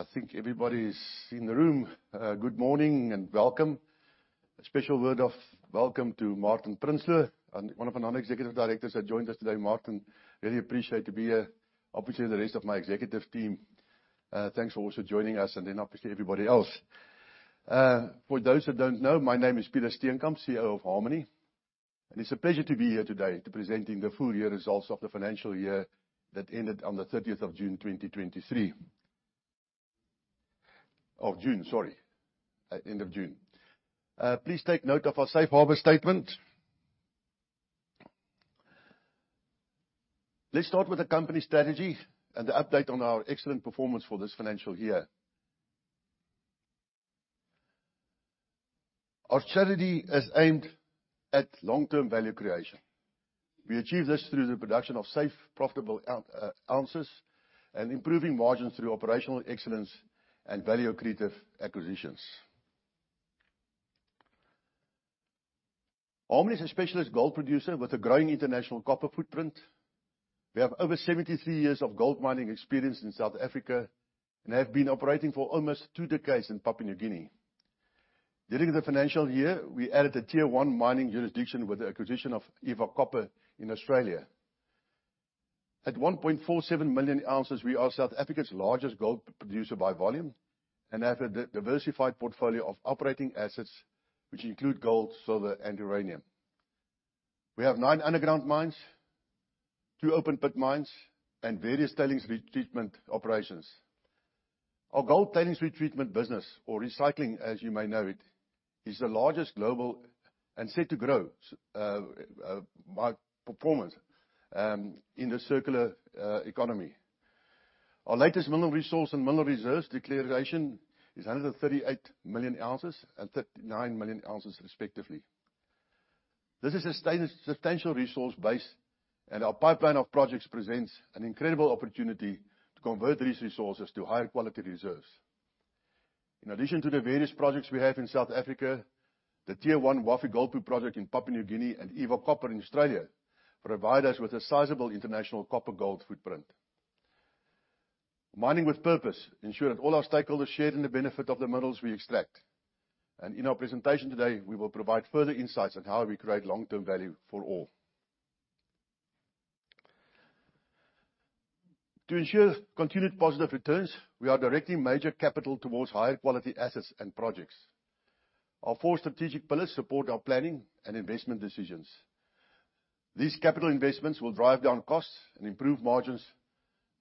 I think everybody is in the room. Good morning, and welcome. A special word of welcome to Martin Prinsloo, and one of our non-executive directors that joined us today. Martin, really appreciate you to be here. Obviously, the rest of my executive team, thanks for also joining us, and then, obviously, everybody else. For those who don't know, my name is Peter Steenkamp, CEO of Harmony, and it's a pleasure to be here today to presenting the full year results of the financial year that ended on the 30th of June 2023. Of June, sorry, end of June. Please take note of our safe harbor statement. Let's start with the company strategy and the update on our excellent performance for this financial year. Our strategy is aimed at long-term value creation. We achieve this through the production of safe, profitable ounces and improving margins through operational excellence and value-accretive acquisitions. Harmony is a specialist gold producer with a growing international copper footprint. We have over 73 years of gold mining experience in South Africa and have been operating for almost two decades in Papua New Guinea. During the financial year, we added a Tier 1 mining jurisdiction with the acquisition of Eva Copper in Australia. At 1.47 million ounces, we are South Africa's largest gold producer by volume and have a diversified portfolio of operating assets, which include gold, silver, and uranium. We have nine underground mines, two open-pit mines, and various tailings retreatment operations. Our gold tailings retreatment business, or recycling, as you may know it, is the largest global, and set to grow, by performance, in the circular economy. Our latest mineral resource and mineral reserves declaration is 138 million ounces and 39 million ounces respectively. This is a substantial resource base, and our pipeline of projects presents an incredible opportunity to convert these resources to higher quality reserves. In addition to the various projects we have in South Africa, the Tier 1 Wafi-Golpu project in Papua New Guinea and Eva Copper in Australia provide us with a sizable international copper-gold footprint. Mining with purpose ensure that all our stakeholders share in the benefit of the minerals we extract, and in our presentation today, we will provide further insights on how we create long-term value for all. To ensure continued positive returns, we are directing major capital towards higher quality assets and projects. Our four strategic pillars support our planning and investment decisions. These capital investments will drive down costs and improve margins,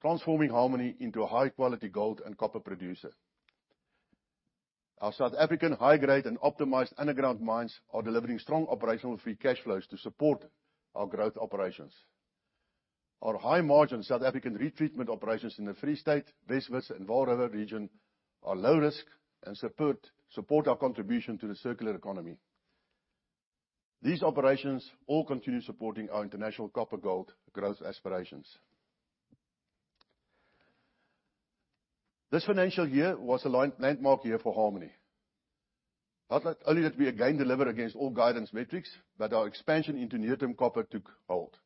transforming Harmony into a high-quality gold and copper producer. Our South African high-grade and optimized underground mines are delivering strong operational Free Cash Flows to support our growth operations. Our high-margin South African retreatment operations in the Free State, West Wits, and Vaal River region are low risk and support our contribution to the circular economy. These operations all continue supporting our international copper gold growth aspirations. This financial year was a landmark year for Harmony. Not only did we again deliver against all guidance metrics, but our expansion into near-term copper took hold.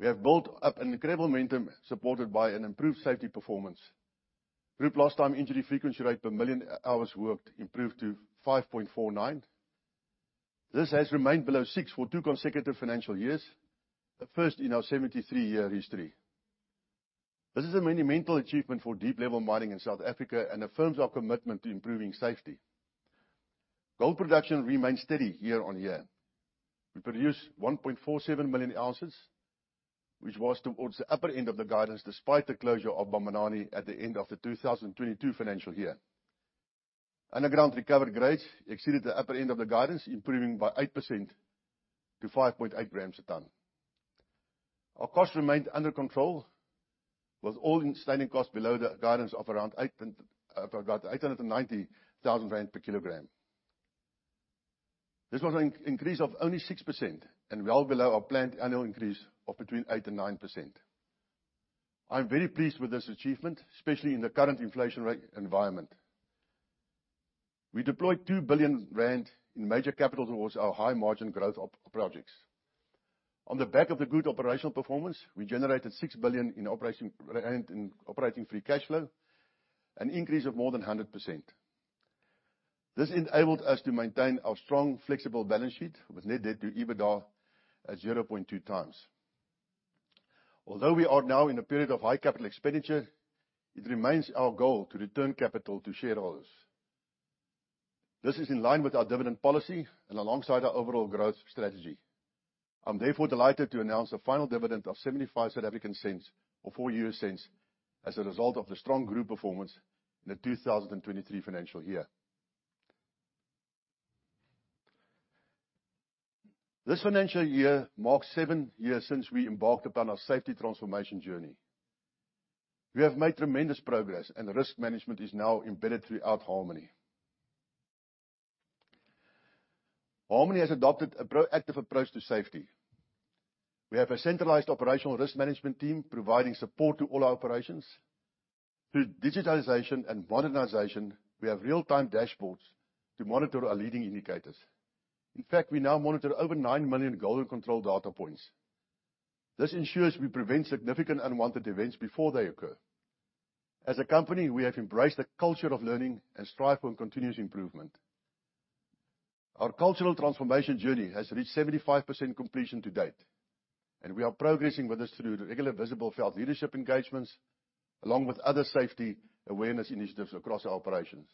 We have built up an incredible momentum, supported by an improved safety performance. Group lost time injury frequency rate per million hours worked improved to 5.49. This has remained below six for two consecutive financial years, a first in our 73-year history. This is a monumental achievement for deep-level mining in South Africa and affirms our commitment to improving safety. Gold production remained steady year-on-year. We produced 1.47 million ounces, which was towards the upper end of the guidance, despite the closure of Mponeng at the end of the 2022 financial year. Underground recovered grades exceeded the upper end of the guidance, improving by 8% to 5.8 grams a ton. Our costs remained under control, with all-in sustaining costs below the guidance of around 890,000 rand per kilogram. This was an increase of only 6% and well below our planned annual increase of between 8% and 9%. I'm very pleased with this achievement, especially in the current inflation rate environment. We deployed 2 billion rand in major capital towards our high-margin growth projects. On the back of the good operational performance, we generated 6 billion in operating Free Cash Flow, an increase of more than 100%. This enabled us to maintain our strong, flexible balance sheet with net debt to EBITDA at 0.2 times. Although we are now in a period of high capital expenditure, it remains our goal to return capital to shareholders. This is in line with our dividend policy and alongside our overall growth strategy. I'm therefore delighted to announce a final dividend of 0.75, or $0.04, as a result of the strong group performance in the 2023 financial year. This financial year marks seven years since we embarked upon our safety transformation journey. We have made tremendous progress, and risk management is now embedded throughout Harmony. Harmony has adopted a proactive approach to safety. We have a centralized operational risk management team providing support to all our operations. Through digitalization and modernization, we have real-time dashboards to monitor our leading indicators. In fact, we now monitor over 9 million grade and control data points… This ensures we prevent significant unwanted events before they occur. As a company, we have embraced a culture of learning and strive for continuous improvement. Our cultural transformation journey has reached 75% completion to date, and we are progressing with this through the regular visible felt leadership engagements, along with other safety awareness initiatives across our operations.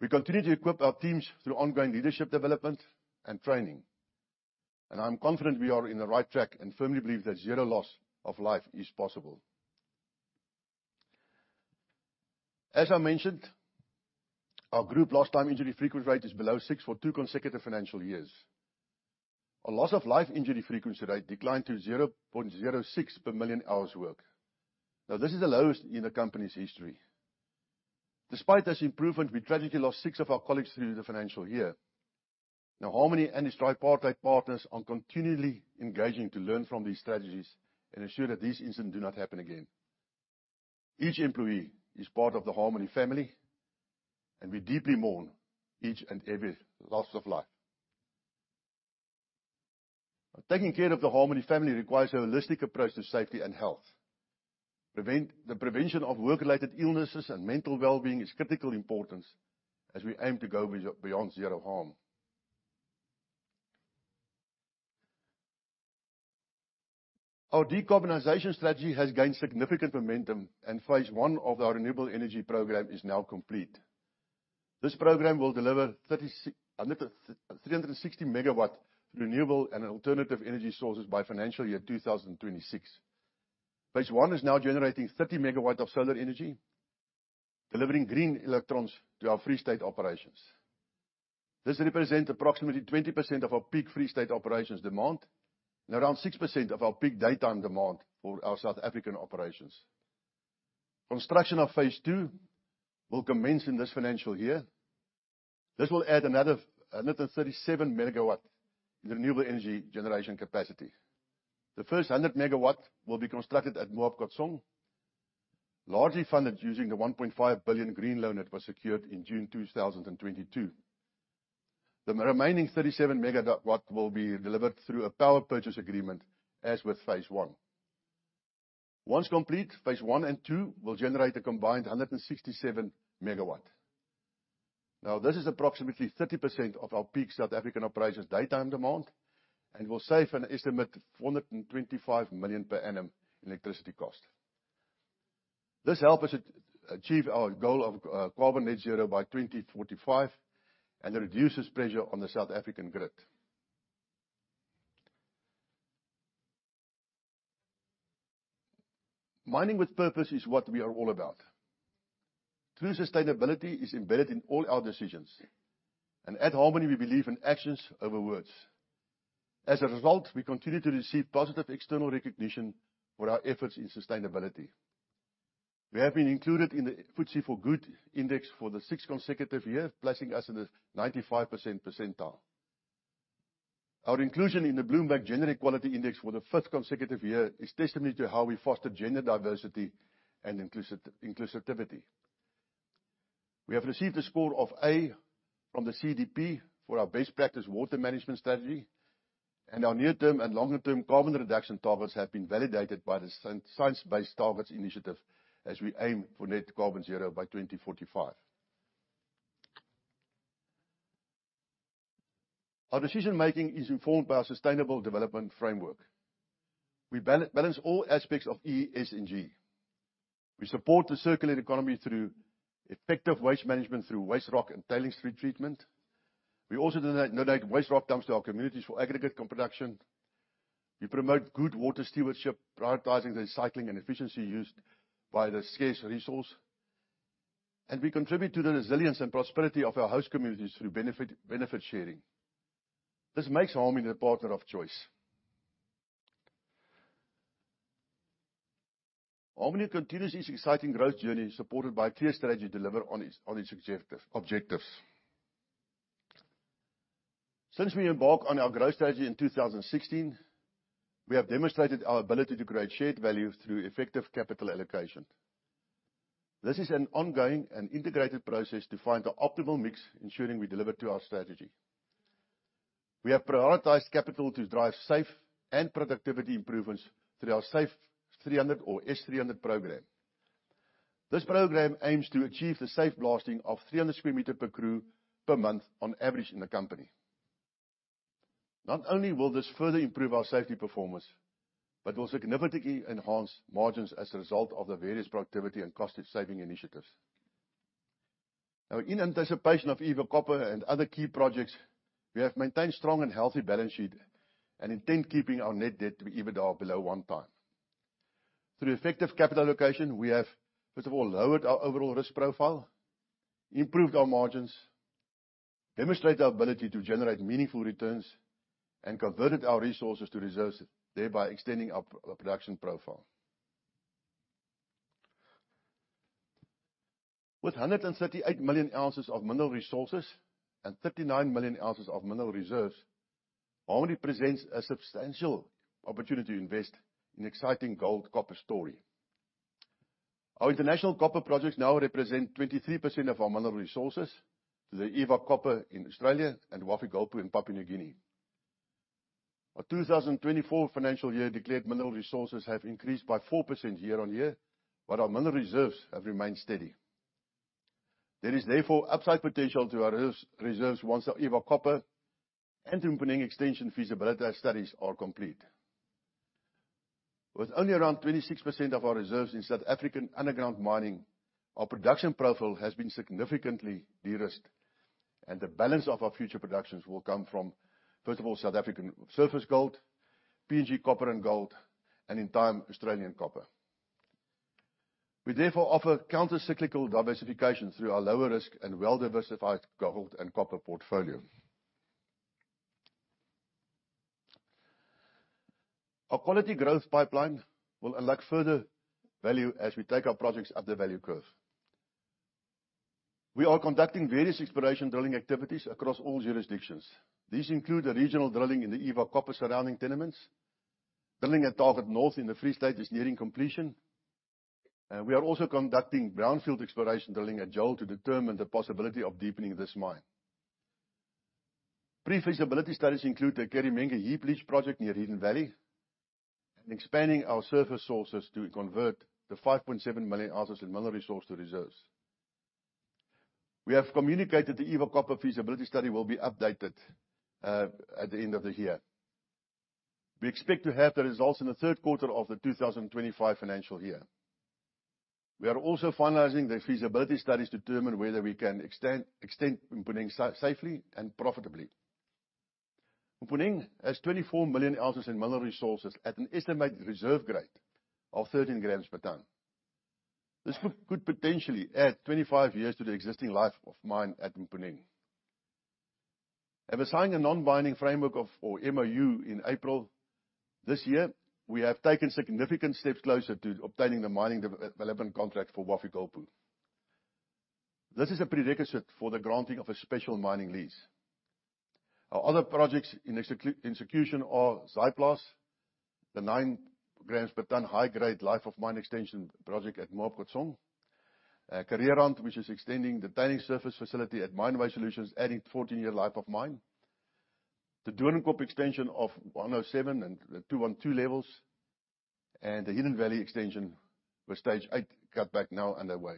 We continue to equip our teams through ongoing leadership development and training, and I'm confident we are on the right track and firmly believe that zero loss of life is possible. As I mentioned, our group lost time injury frequency rate is below six for two consecutive financial years. A loss of life injury frequency rate declined to 0.06 per million hours worked. Now, this is the lowest in the company's history. Despite this improvement, we tragically lost six of our colleagues through the financial year. Now, Harmony and its tripartite partners are continually engaging to learn from these tragedies and ensure that these incidents do not happen again. Each employee is part of the Harmony family, and we deeply mourn each and every loss of life. Taking care of the Harmony family requires a holistic approach to safety and health. The prevention of work-related illnesses and mental well-being is of critical importance as we aim to go beyond zero harm. Our decarbonization strategy has gained significant momentum, and phase one of our renewable energy program is now complete. This program will deliver 360 megawatts renewable and alternative energy sources by financial year 2026. Phase one is now generating 30 megawatts of solar energy, delivering green electrons to our Free State operations. This represents approximately 20% of our peak Free State operations demand, and around 6% of our peak daytime demand for our South African operations. Construction of Phase II will commence in this financial year. This will add another 137 megawatts renewable energy generation capacity. The first 100 MW will be constructed at Moab Khotsong, largely funded using the $1.5 billion green loan that was secured in June 2022. The remaining 37 MW will be delivered through a power purchase agreement, as with Phase I. Once complete, phase one and two will generate a combined 167 MW. Now, this is approximately 30% of our peak South African operations daytime demand and will save an estimated 425 million per annum electricity cost. This help us achieve our goal of carbon net zero by 2045 and reduces pressure on the South African grid. Mining with purpose is what we are all about. True sustainability is embedded in all our decisions, and at Harmony, we believe in actions over words. As a result, we continue to receive positive external recognition for our efforts in sustainability. We have been included in the FTSE4Good Index for the sixth consecutive year, placing us in the 95% percentile. Our inclusion in the Bloomberg Gender Equality Index for the fifth consecutive year is testimony to how we foster gender diversity and inclusivity. We have received a score of A from the CDP for our best practice water management strategy, and our near-term and longer-term carbon reduction targets have been validated by the Science Based Targets initiative, as we aim for net carbon zero by 2045. Our decision-making is informed by our sustainable development framework. We balance all aspects of ESG. We support the circular economy through effective waste management through waste rock and tailings retreatment. We also donate waste rock dumps to our communities for aggregate production. We promote good water stewardship, prioritizing the recycling and efficiency used by the scarce resource, and we contribute to the resilience and prosperity of our host communities through benefit, benefit sharing. This makes Harmony the partner of choice. Harmony continues its exciting growth journey, supported by a clear strategy to deliver on its, on its objective- objectives. Since we embarked on our growth strategy in 2016, we have demonstrated our ability to create shared value through effective capital allocation. This is an ongoing and integrated process to find the optimal mix, ensuring we deliver to our strategy. We have prioritized capital to drive safe and productivity improvements through our Safe 300 or S300 program. This program aims to achieve the safe blasting of 300 square meter per crew per month on average in the company Not only will this further improve our safety performance, but will significantly enhance margins as a result of the various productivity and cost-saving initiatives. Now, in anticipation of Eva Copper and other key projects, we have maintained strong and healthy balance sheet and intend keeping our net debt to EBITDA below one time. Through effective capital allocation, we have, first of all, lowered our overall risk profile, improved our margins, demonstrated our ability to generate meaningful returns, and converted our resources to reserves, thereby extending our production profile. With 138 million ounces of mineral resources and 39 million ounces of mineral reserves, Harmony presents a substantial opportunity to invest in exciting gold, copper story. Our international copper projects now represent 23% of our mineral resources to the Eva Copper in Australia and Wafi-Golpu in Papua New Guinea. Our 2024 financial year declared mineral resources have increased by 4% year-on-year, but our mineral reserves have remained steady. There is, therefore, upside potential to our reserves once the Eva Copper and Mponeng extension feasibility studies are complete. With only around 26% of our reserves in South African underground mining, our production profile has been significantly de-risked, and the balance of our future productions will come from, first of all, South African surface gold, PNG copper and gold, and in time, Australian copper. We therefore offer counter-cyclical diversification through our lower risk and well-diversified gold and copper portfolio. Our quality growth pipeline will unlock further value as we take our projects up the value curve. We are conducting various exploration drilling activities across all jurisdictions. These include the regional drilling in the Eva Copper surrounding tenements. Drilling at Target North in the Free State is nearing completion, and we are also conducting brownfield exploration drilling at Joel to determine the possibility of deepening this mine. Pre-feasibility studies include the Kerimenge heap leach project near Hidden Valley, and expanding our surface sources to convert the 5.7 million ounces in mineral resource to reserves. We have communicated the Eva Copper feasibility study will be updated at the end of the year. We expect to have the results in the third quarter of the 2025 financial year. We are also finalizing the feasibility studies to determine whether we can extend Mponeng safely and profitably. Mponeng has 24 million ounces in mineral resources at an estimated reserve grade of 13 grams per ton. This could potentially add 25 years to the existing life of mine at Mponeng. have signed a non-binding framework of, or MOU in April. This year, we have taken significant steps closer to obtaining the mining development contract for Wafi-Golpu. This is a prerequisite for the granting of a special mining lease. Our other projects in execution are Zaaiplaats, the 9 grams per ton high-grade life of mine extension project at Moab Khotsong. Kareerand, which is extending the mining surface facility at Mine Waste Solutions, adding 14-year life of mine. The Doornkop extension of 107 and 212 levels, and the Hidden Valley extension with Stage 8, cutback now underway.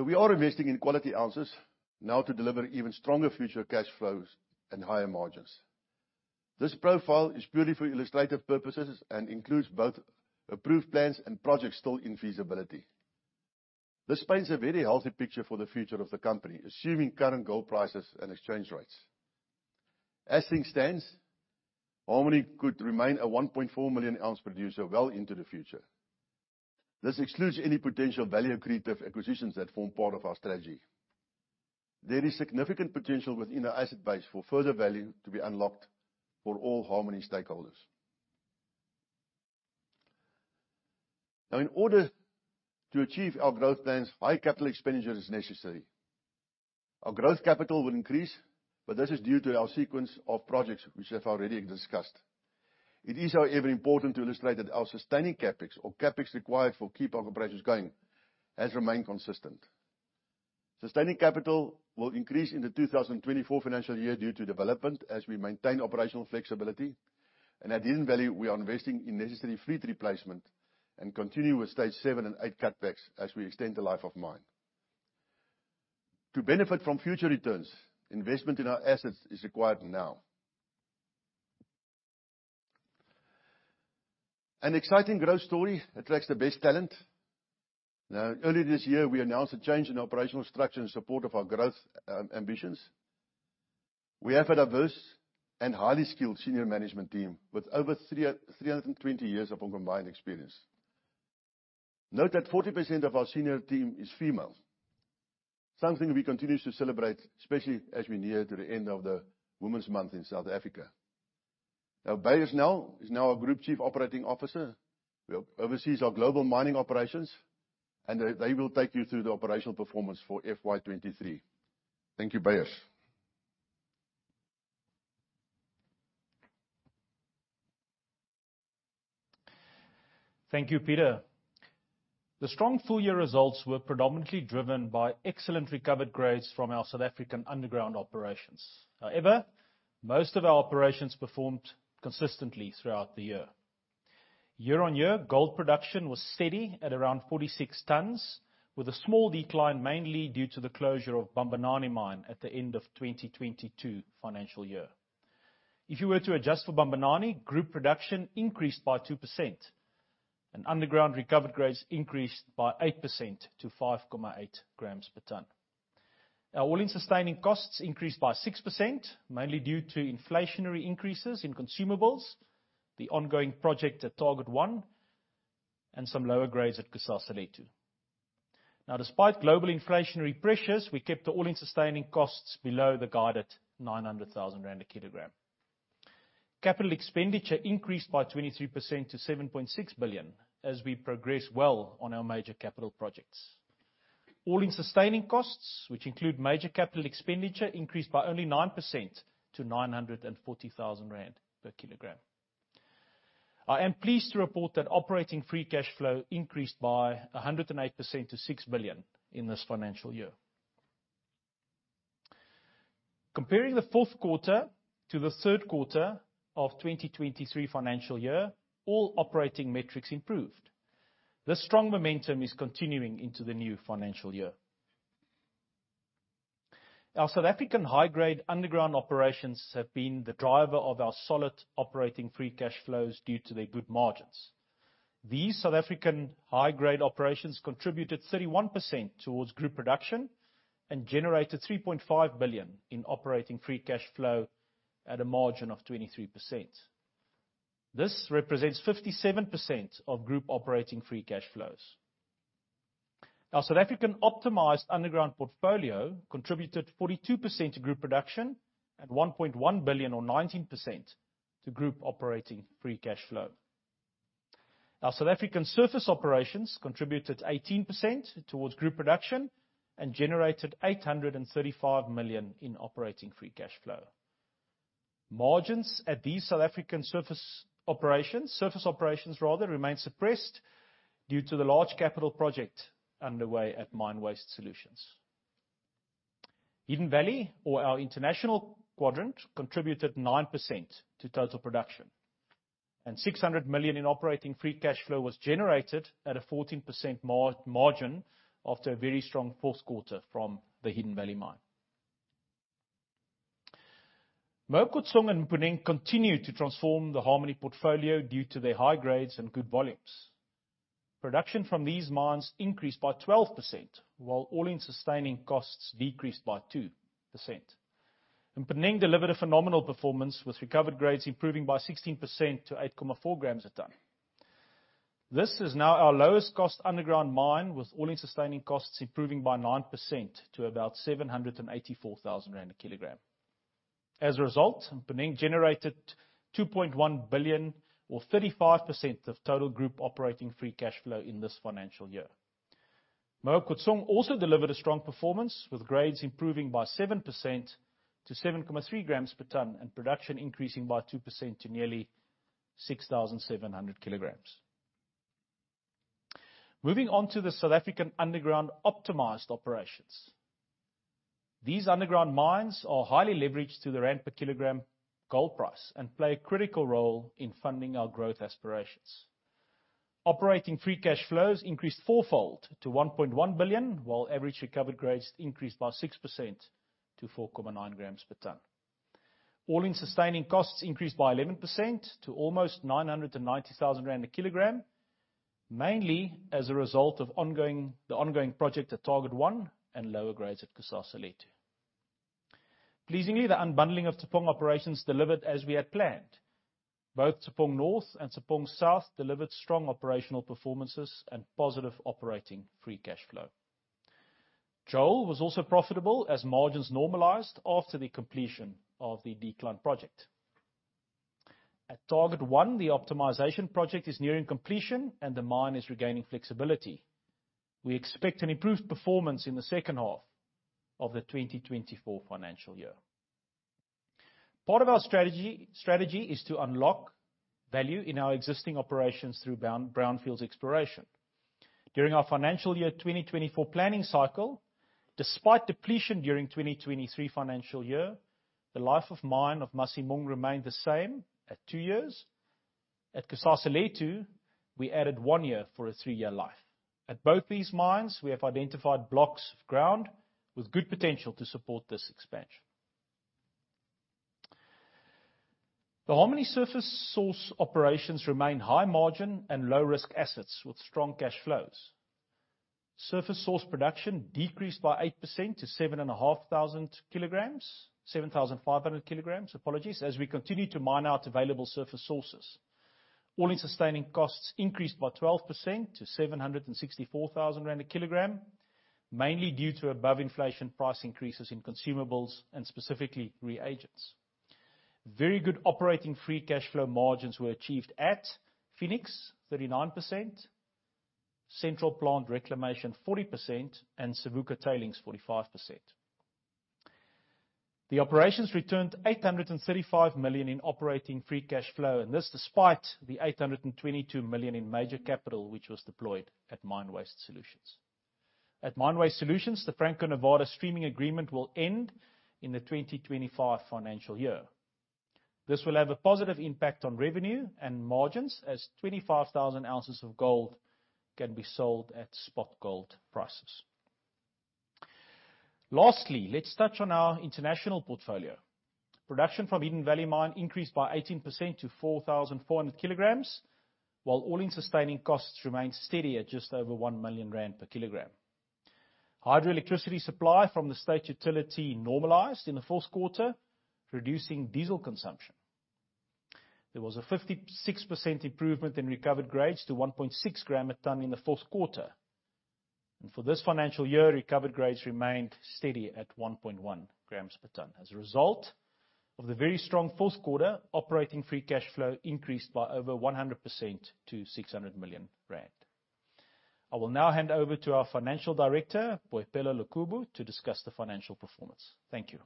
So we are investing in quality ounces now to deliver even stronger future cash flows and higher margins. This profile is purely for illustrative purposes and includes both approved plans and projects still in feasibility. This paints a very healthy picture for the future of the company, assuming current gold prices and exchange rates. As things stand, Harmony could remain a 1.4 million ounce producer well into the future. This excludes any potential value accretive acquisitions that form part of our strategy. There is significant potential within the asset base for further value to be unlocked for all Harmony stakeholders. Now, in order to achieve our growth plans, high capital expenditure is necessary. Our growth capital will increase, but this is due to our sequence of projects, which we have already discussed. It is, however, important to illustrate that our sustaining CapEx or CapEx required to keep our operations going has remained consistent. Sustaining capital will increase in the 2024 financial year due to development, as we maintain operational flexibility, and at Hidden Valley, we are investing in necessary fleet replacement and continue with Stage 7 and 8 cutbacks as we extend the life of mine. To benefit from future returns, investment in our assets is required now. An exciting growth story attracts the best talent. Now, early this year, we announced a change in operational structure in support of our growth ambitions. We have a diverse and highly skilled senior management team with over 320 years of combined experience. Note that 40% of our senior team is female. Something we continue to celebrate, especially as we near to the end of the Women's Month in South Africa. Now, Beyers Nel is now our Group Chief Operating Officer, who oversees our global mining operations, and they will take you through the operational performance for FY 2023. Thank you, Beyers. Thank you, Peter. The strong full year results were predominantly driven by excellent recovered grades from our South African underground operations. However, most of our operations performed consistently throughout the year. Year-on-year, gold production was steady at around 46 tons, with a small decline, mainly due to the closure of Bambanani mine at the end of 2022 financial year. If you were to adjust for Bambanani, group production increased by 2%, and underground recovered grades increased by 8% to 5.8 grams per ton. Our all-in sustaining costs increased by 6%, mainly due to inflationary increases in consumables, the ongoing project at Target 1, and some lower grades at Kusasalethu. Now, despite global inflationary pressures, we kept the all-in sustaining costs below the guided 900,000 rand a kilogram. Capital expenditure increased by 23% to 7.6 billion, as we progress well on our major capital projects. All-in sustaining costs, which include major capital expenditure, increased by only 9% to 940,000 rand per kilogram. I am pleased to report that operating Free Cash Flow increased by 108% to 6 billion in this financial year. Comparing the fourth quarter to the third quarter of 2023 financial year, all operating metrics improved. This strong momentum is continuing into the new financial year. Our South African high-grade underground operations have been the driver of our solid operating Free Cash Flows due to their good margins. These South African high-grade operations contributed 31% towards group production and generated 3.5 billion in operating Free Cash Flow at a margin of 23%. This represents 57% of group operating Free Cash Flows. Our South African optimized underground portfolio contributed 42% to group production and 1.1 billion, or 19%, to group operating Free Cash Flow. Our South African surface operations contributed 18% towards group production and generated 835 million in operating Free Cash Flow. Margins at these South African surface operations, surface operations rather, remain suppressed due to the large capital project underway at Mine Waste Solutions. Hidden Valley, or our international quadrant, contributed 9% to total production, and 600 million in operating Free Cash Flow was generated at a 14% margin after a very strong fourth quarter from the Hidden Valley mine. Moab Khotsong and Mponeng continue to transform the Harmony portfolio due to their high grades and good volumes. Production from these mines increased by 12%, while all-in sustaining costs decreased by 2%. Mponeng delivered a phenomenal performance, with recovered grades improving by 16% to 8.4 grams per ton. This is now our lowest cost underground mine, with all-in sustaining costs improving by 9% to about 784,000 rand per kilogram. As a result, Mponeng generated 2.1 billion, or 35%, of total group operating Free Cash Flow in this financial year. Moab Khotsong also delivered a strong performance, with grades improving by 7% to 7.3 grams per ton, and production increasing by 2% to nearly 6,700 kilograms. Moving on to the South African underground optimized operations. These underground mines are highly leveraged to the rand per kilogram gold price and play a critical role in funding our growth aspirations. Operating Free Cash Flows increased fourfold to 1.1 billion, while average recovered grades increased by 6% to 4.9 grams per ton. All-in sustaining costs increased by 11% to almost 990,000 rand a kilogram, mainly as a result of the ongoing project at Target 1 and lower grades at Kusasalethu. Pleasingly, the unbundling of Tshepong operations delivered as we had planned. Both Tshepong North and Tshepong South delivered strong operational performances and positive operating Free Cash Flow. Joel was also profitable as margins normalized after the completion of the decline project. At Target 1, the optimization project is nearing completion, and the mine is regaining flexibility. We expect an improved performance in the second half of the 2024 financial year. Part of our strategy is to unlock value in our existing operations through brownfields exploration. During our financial year 2024 planning cycle, despite depletion during 2023 financial year, the life of mine of Masimong remained the same at 2 years. At Kusasalethu, we added 1 year for a 3-year life. At both these mines, we have identified blocks of ground with good potential to support this expansion. The Harmony surface source operations remain high margin and low-risk assets with strong cash flows. Surface source production decreased by 8% to 7,500 kilograms - 7,500 kilograms, apologies, as we continue to mine out available surface sources. All-in sustaining costs increased by 12% to 764,000 rand per kilogram, mainly due to above-inflation price increases in consumables and specifically reagents. Very good operating Free Cash Flow margins were achieved at Phoenix, 39%, Central Plant Reclamation, 40%, and Savuka Tailings, 45%. The operations returned 835 million in operating Free Cash Flow, and this, despite the 822 million in major capital, which was deployed at Mine Waste Solutions. At Mine Waste Solutions, the Franco-Nevada streaming agreement will end in the 2025 financial year. This will have a positive impact on revenue and margins, as 25,000 ounces of gold can be sold at spot gold prices. Lastly, let's touch on our international portfolio. Production from Hidden Valley Mine increased by 18% to 4,400 kilograms, while all-in sustaining costs remained steady at just over 1 million rand per kilogram. Hydroelectricity supply from the state utility normalized in the fourth quarter, reducing diesel consumption. There was a 56% improvement in recovered grades to 1.6 gram a ton in the fourth quarter. For this financial year, recovered grades remained steady at 1.1 grams per ton. As a result-... of the very strong fourth quarter, operating Free Cash Flow increased by over 100% to 600 million rand. I will now hand over to our Financial Director, Boipelo Lekubo, to discuss the financial performance. Thank you.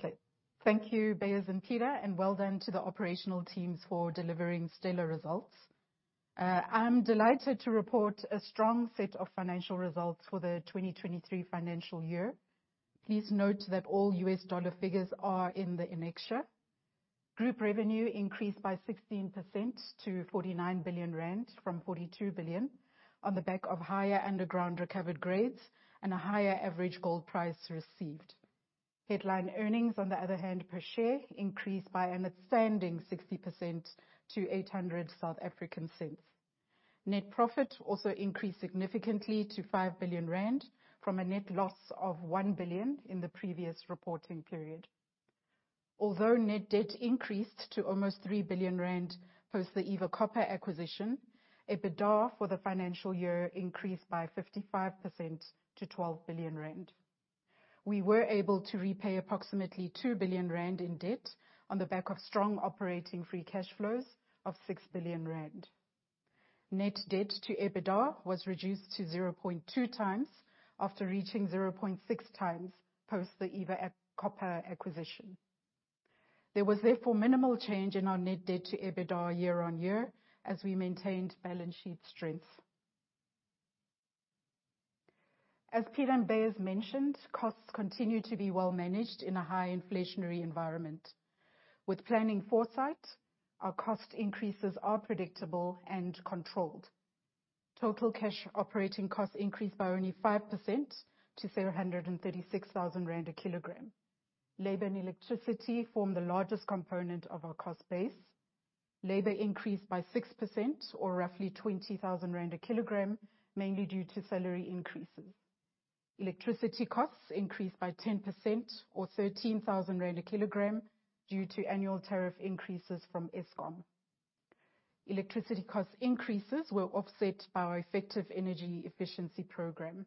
Okay. Thank you, Beyers and Peter, and well done to the operational teams for delivering stellar results. I'm delighted to report a strong set of financial results for the 2023 financial year. Please note that all U.S. dollar figures are in the annexure. Group revenue increased by 16% to 49 billion rand from 42 billion, on the back of higher underground recovered grades and a higher average gold price received. Headline earnings, on the other hand, per share, increased by an outstanding 60% to 8.00. Net profit also increased significantly to 5 billion rand, from a net loss of 1 billion in the previous reporting period. Although net debt increased to almost 3 billion rand, post the Eva Copper acquisition, EBITDA for the financial year increased by 55% to 12 billion rand. We were able to repay approximately 2 billion rand in debt on the back of strong operating Free Cash Flows of 6 billion rand. Net debt to EBITDA was reduced to 0.2 times after reaching 0.6 times post the Eva Copper acquisition. There was therefore minimal change in our net debt to EBITDA year-on-year, as we maintained balance sheet strength. As Peter and Beyers mentioned, costs continue to be well managed in a high inflationary environment. With planning foresight, our cost increases are predictable and controlled. Total cash operating costs increased by only 5% to 736,000 rand a kilogram. Labor and electricity form the largest component of our cost base. Labor increased by 6%, or roughly 20,000 rand a kilogram, mainly due to salary increases. Electricity costs increased by 10%, or 13,000 rand a kilogram, due to annual tariff increases from Eskom. Electricity cost increases were offset by our effective energy efficiency program.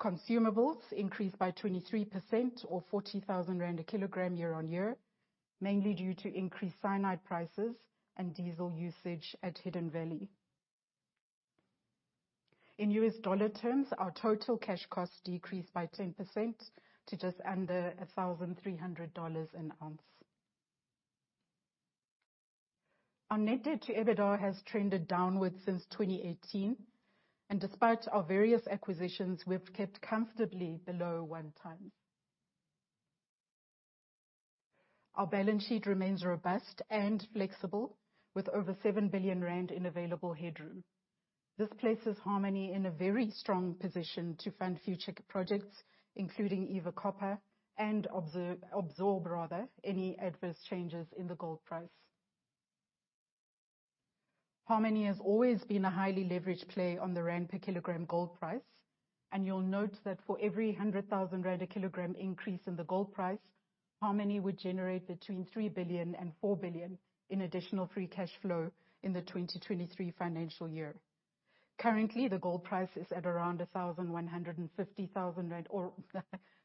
Consumables increased by 23%, or 40,000 rand a kilogram year-on-year, mainly due to increased cyanide prices and diesel usage at Hidden Valley. In U.S. dollar terms, our total cash costs decreased by 10% to just under $1,300 an ounce. Our net debt to EBITDA has trended downward since 2018, and despite our various acquisitions, we've kept comfortably below 1x. Our balance sheet remains robust and flexible, with over 7 billion rand in available headroom. This places Harmony in a very strong position to fund future projects, including Eva Copper, and absorb, rather, any adverse changes in the gold price. Harmony has always been a highly leveraged play on the rand per kilogram gold price, and you'll note that for every 100,000 rand a kilogram increase in the gold price, Harmony would generate between 3 billion and 4 billion in additional Free Cash Flow in the 2023 financial year. Currently, the gold price is at around 1,150,000 ZAR or,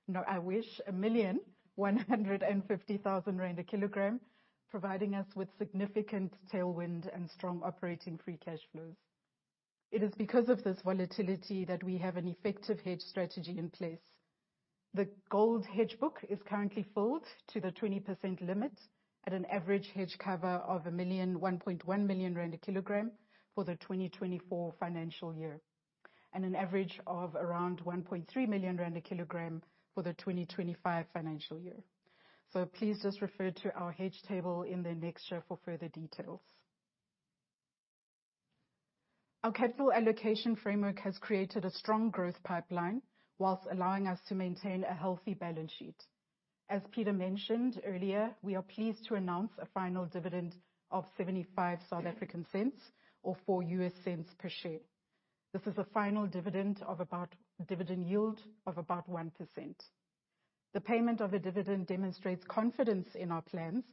no, I wish, 1,150,000 rand a kilogram, providing us with significant tailwind and strong operating Free Cash Flows. It is because of this volatility that we have an effective hedge strategy in place. The gold hedge book is currently filled to the 20% limit at an average hedge cover of 1.1 million rand a kilogram for the 2024 financial year, and an average of around 1.3 million rand a kilogram for the 2025 financial year. So please just refer to our hedge table in the annexure for further details. Our capital allocation framework has created a strong growth pipeline while allowing us to maintain a healthy balance sheet. As Peter mentioned earlier, we are pleased to announce a final dividend of 0.75, or $0.04 per share. This is a final dividend of about 1% yield. The payment of a dividend demonstrates confidence in our plans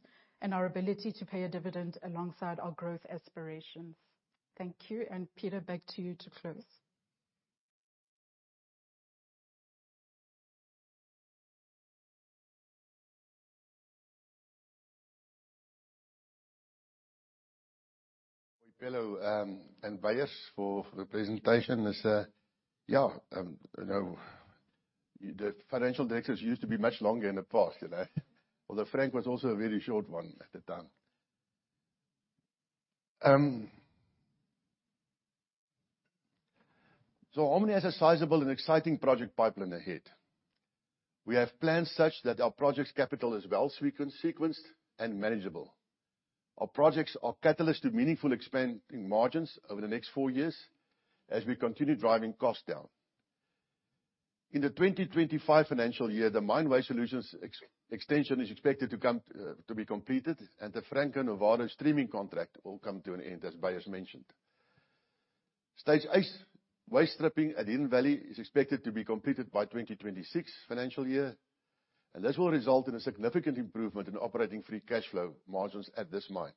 and our ability to pay a dividend alongside our growth aspirations. Thank you, and Peter, back to you to close. Boipelo and Beyers for the presentation. It's you know, the financial directors used to be much longer in the past, you know? Although Frank was also a very short one at the time. So Harmony has a sizable and exciting project pipeline ahead. We have plans such that our projects capital is well sequenced, and manageable. Our projects are catalyst to meaningful expanding margins over the next four years as we continue driving costs down. In the 2025 financial year, the Mine Waste Solutions extension is expected to come, to be completed, and the Franco-Nevada streaming contract will come to an end, as Beyers mentioned. Stage 8 waste stripping at Hidden Valley is expected to be completed by 2026 financial year, and this will result in a significant improvement in operating Free Cash Flow margins at this mine.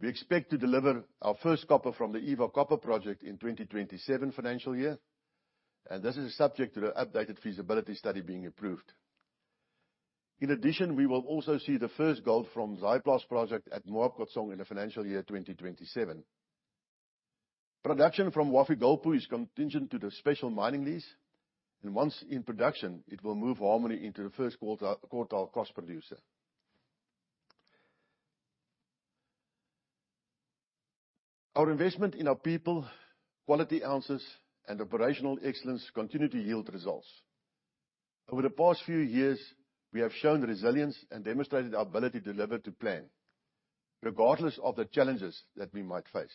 We expect to deliver our first copper from the Eva Copper project in 2027 financial year, and this is subject to the updated feasibility study being approved. In addition, we will also see the first gold from Zaaiplaats project at Moab Khotsong in the financial year 2027. Production from Wafi-Golpu is contingent to the special mining lease, and once in production, it will move Harmony into the first quartile cost producer. Our investment in our people, quality ounces, and operational excellence continue to yield results. Over the past few years, we have shown resilience and demonstrated our ability to deliver to plan, regardless of the challenges that we might face.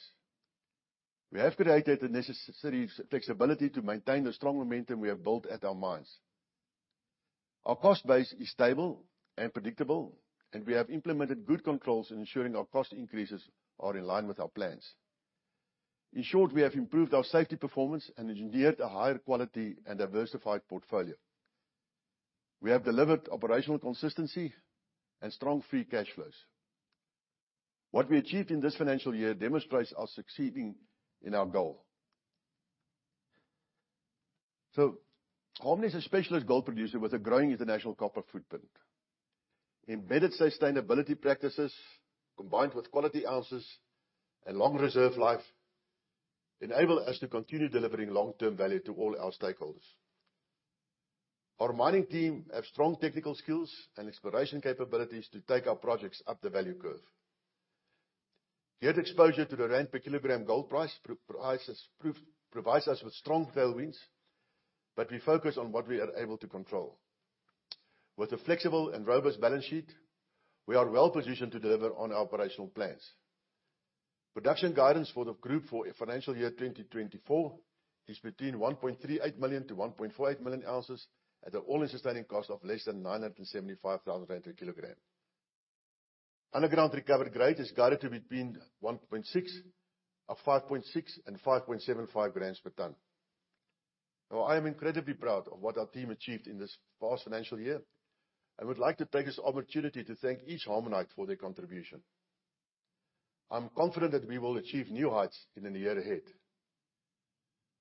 We have created the necessary flexibility to maintain the strong momentum we have built at our mines. Our cost base is stable and predictable, and we have implemented good controls in ensuring our cost increases are in line with our plans. In short, we have improved our safety performance and engineered a higher quality and diversified portfolio. We have delivered operational consistency and strong Free Cash Flows. What we achieved in this financial year demonstrates us succeeding in our goal. So Harmony is a specialist gold producer with a growing international copper footprint. Embedded sustainability practices, combined with quality ounces and long reserve life, enable us to continue delivering long-term value to all our stakeholders. Our mining team have strong technical skills and exploration capabilities to take our projects up the value curve. Their exposure to the ZAR per kilogram gold price provides us with strong tailwinds, but we focus on what we are able to control. With a flexible and robust balance sheet, we are well positioned to deliver on our operational plans. Production guidance for the group for a financial year 2024 is between 1.38 million-1.48 million ounces, at an all-in sustaining cost of less than 975,000 rand per kilogram. Underground recovery grade is guided to between 5.6 and 5.75 grams per ton. Now, I am incredibly proud of what our team achieved in this past financial year, and would like to take this opportunity to thank each Harmonite for their contribution. I'm confident that we will achieve new heights in the year ahead.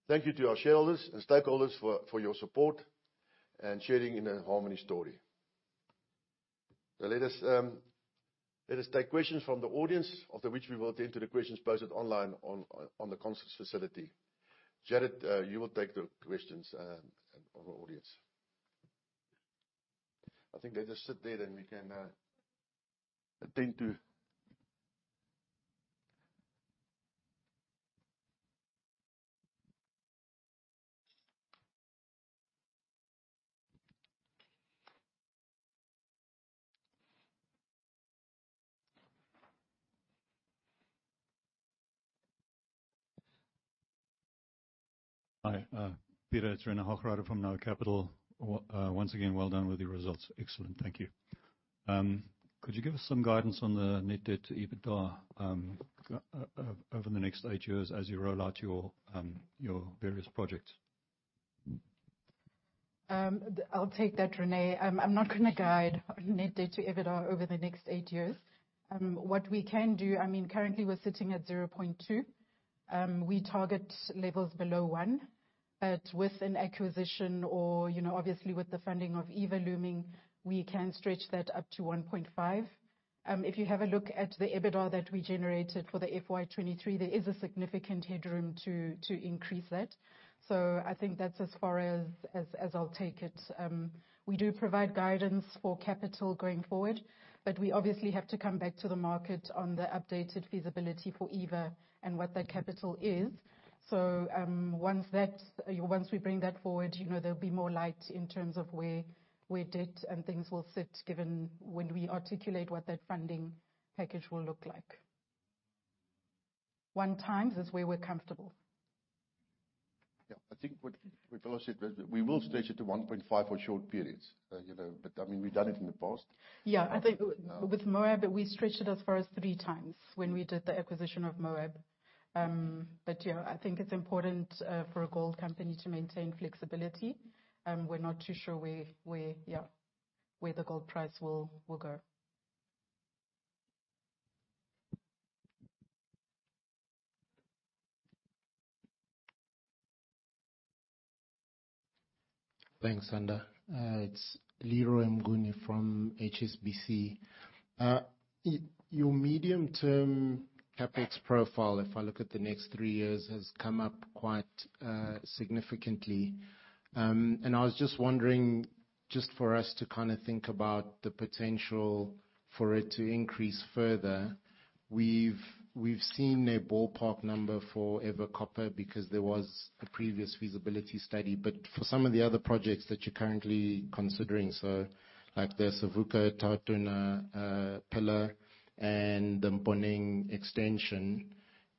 Thank you to our shareholders and stakeholders for your support and sharing in the Harmony story. So let us take questions from the audience, after which we will attend to the questions posted online on the conference facility. Jared, you will take the questions of our audience. I think they just sit there, and we can attend to. Hi, Peter, it's René Hochreiter from Noah Capital. Well, once again, well done with your results. Excellent. Thank you. Could you give us some guidance on the net debt to EBITDA over the next eight years as you roll out your various projects? I'll take that, Renée. I'm not gonna guide net debt to EBITDA over the next 8 years. What we can do, I mean, currently we're sitting at 0.2. We target levels below 1, but with an acquisition or, you know, obviously with the funding of Eva looming, we can stretch that up to 1.5. If you have a look at the EBITDA that we generated for the FY 2023, there is a significant headroom to increase that. So I think that's as far as I'll take it. We do provide guidance for capital going forward, but we obviously have to come back to the market on the updated feasibility for Eva and what that capital is. So, once we bring that forward, you know, there'll be more light in terms of where debt and things will sit, given when we articulate what that funding package will look like. 1x is where we're comfortable. Yeah, I think what, what Bella said, that we will stretch it to 1.5 for short periods, you know, but I mean, we've done it in the past. Yeah, I think with Moab, we stretched it as far as three times when we did the acquisition of Moab. But yeah, I think it's important for a gold company to maintain flexibility. We're not too sure where, yeah, where the gold price will go. Thanks, Sanda. It's Leroy Mnguni from HSBC. Your medium-term CapEx profile, if I look at the next three years, has come up quite significantly. And I was just wondering, just for us to kind of think about the potential for it to increase further. We've seen a ballpark number for Eva Copper, because there was a previous feasibility study. But for some of the other projects that you're currently considering, so like the Savuka, TauTona, pillar and the Mponeng extension,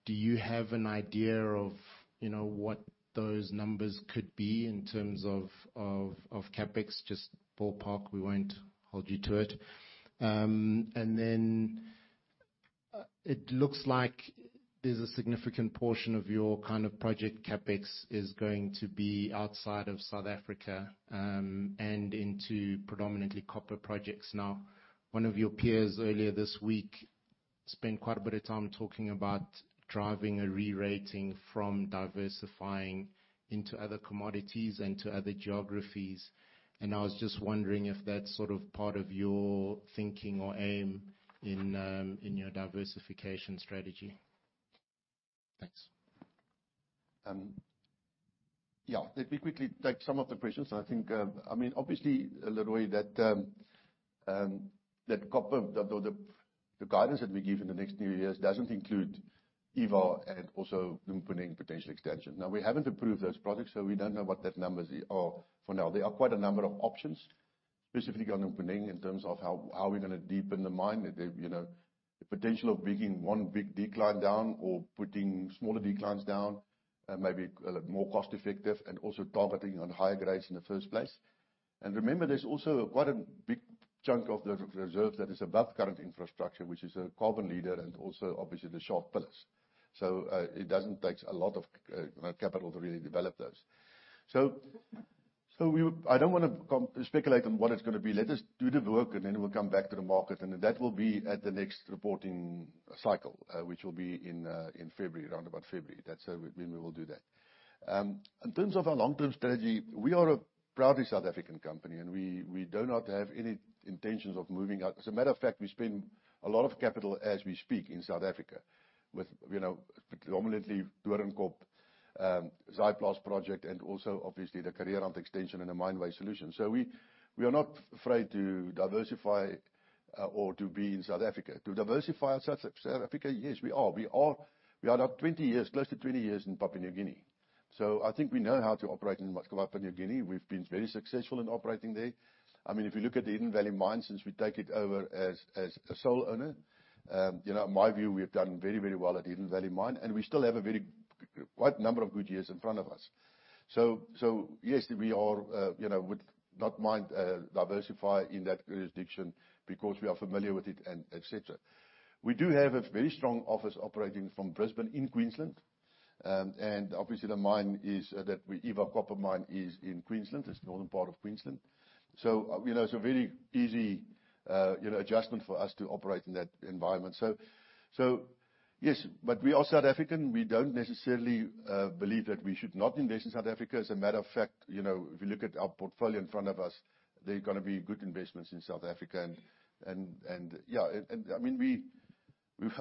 do you have an idea of, you know, what those numbers could be in terms of CapEx? Just ballpark, we won't hold you to it. And then it looks like there's a significant portion of your kind of project CapEx is going to be outside of South Africa, and into predominantly copper projects. Now, one of your peers earlier this week spent quite a bit of time talking about driving a re-rating from diversifying into other commodities and to other geographies, and I was just wondering if that's sort of part of your thinking or aim in your diversification strategy? Thanks. Yeah. Let me quickly take some of the questions. I think, I mean, obviously, Leroy, that copper, the guidance that we give in the next few years doesn't include Eva and also Mponeng potential expansion. Now, we haven't approved those projects, so we don't know what that numbers are for now. There are quite a number of options, specifically on Mponeng, in terms of how we're gonna deepen the mine. That they, you know, the potential of digging one big decline down or putting smaller declines down may be a little more cost effective, and also targeting on higher grades in the first place. And remember, there's also quite a big chunk of the reserves that is above current infrastructure, which is a Carbon Leader, and also, obviously, the shaft pillars. So, it doesn't take a lot of capital to really develop those. So we... I don't wanna speculate on what it's gonna be. Let us do the work, and then we'll come back to the market, and that will be at the next reporting cycle, which will be in February, around about February. That's when we will do that. In terms of our long-term strategy, we are a proudly South African company, and we do not have any intentions of moving out. As a matter of fact, we spend a lot of capital as we speak in South Africa with, you know, predominantly Doornkop, Zaaiplaats project, and also obviously the Kareerand extension and the Mine Waste Solutions. So we are not afraid to diversify or to be in South Africa. To diversify out of South Africa, yes, we are. We are now 20 years, close to 20 years in Papua New Guinea, so I think we know how to operate in Papua New Guinea. We've been very successful in operating there. I mean, if you look at the Hidden Valley mine, since we take it over as a sole owner, you know, in my view, we have done very, very well at Hidden Valley mine, and we still have a very, quite number of good years in front of us. So, yes, we are, you know, would not mind diversify in that jurisdiction because we are familiar with it, and et cetera. We do have a very strong office operating from Brisbane in Queensland. And obviously the mine is, that Eva Copper mine is in Queensland. It's northern part of Queensland. So, you know, it's a very easy, you know, adjustment for us to operate in that environment. So, yes, but we are South African. We don't necessarily believe that we should not invest in South Africa. As a matter of fact, you know, if you look at our portfolio in front of us, there are gonna be good investments in South Africa. And, yeah, and I mean, we,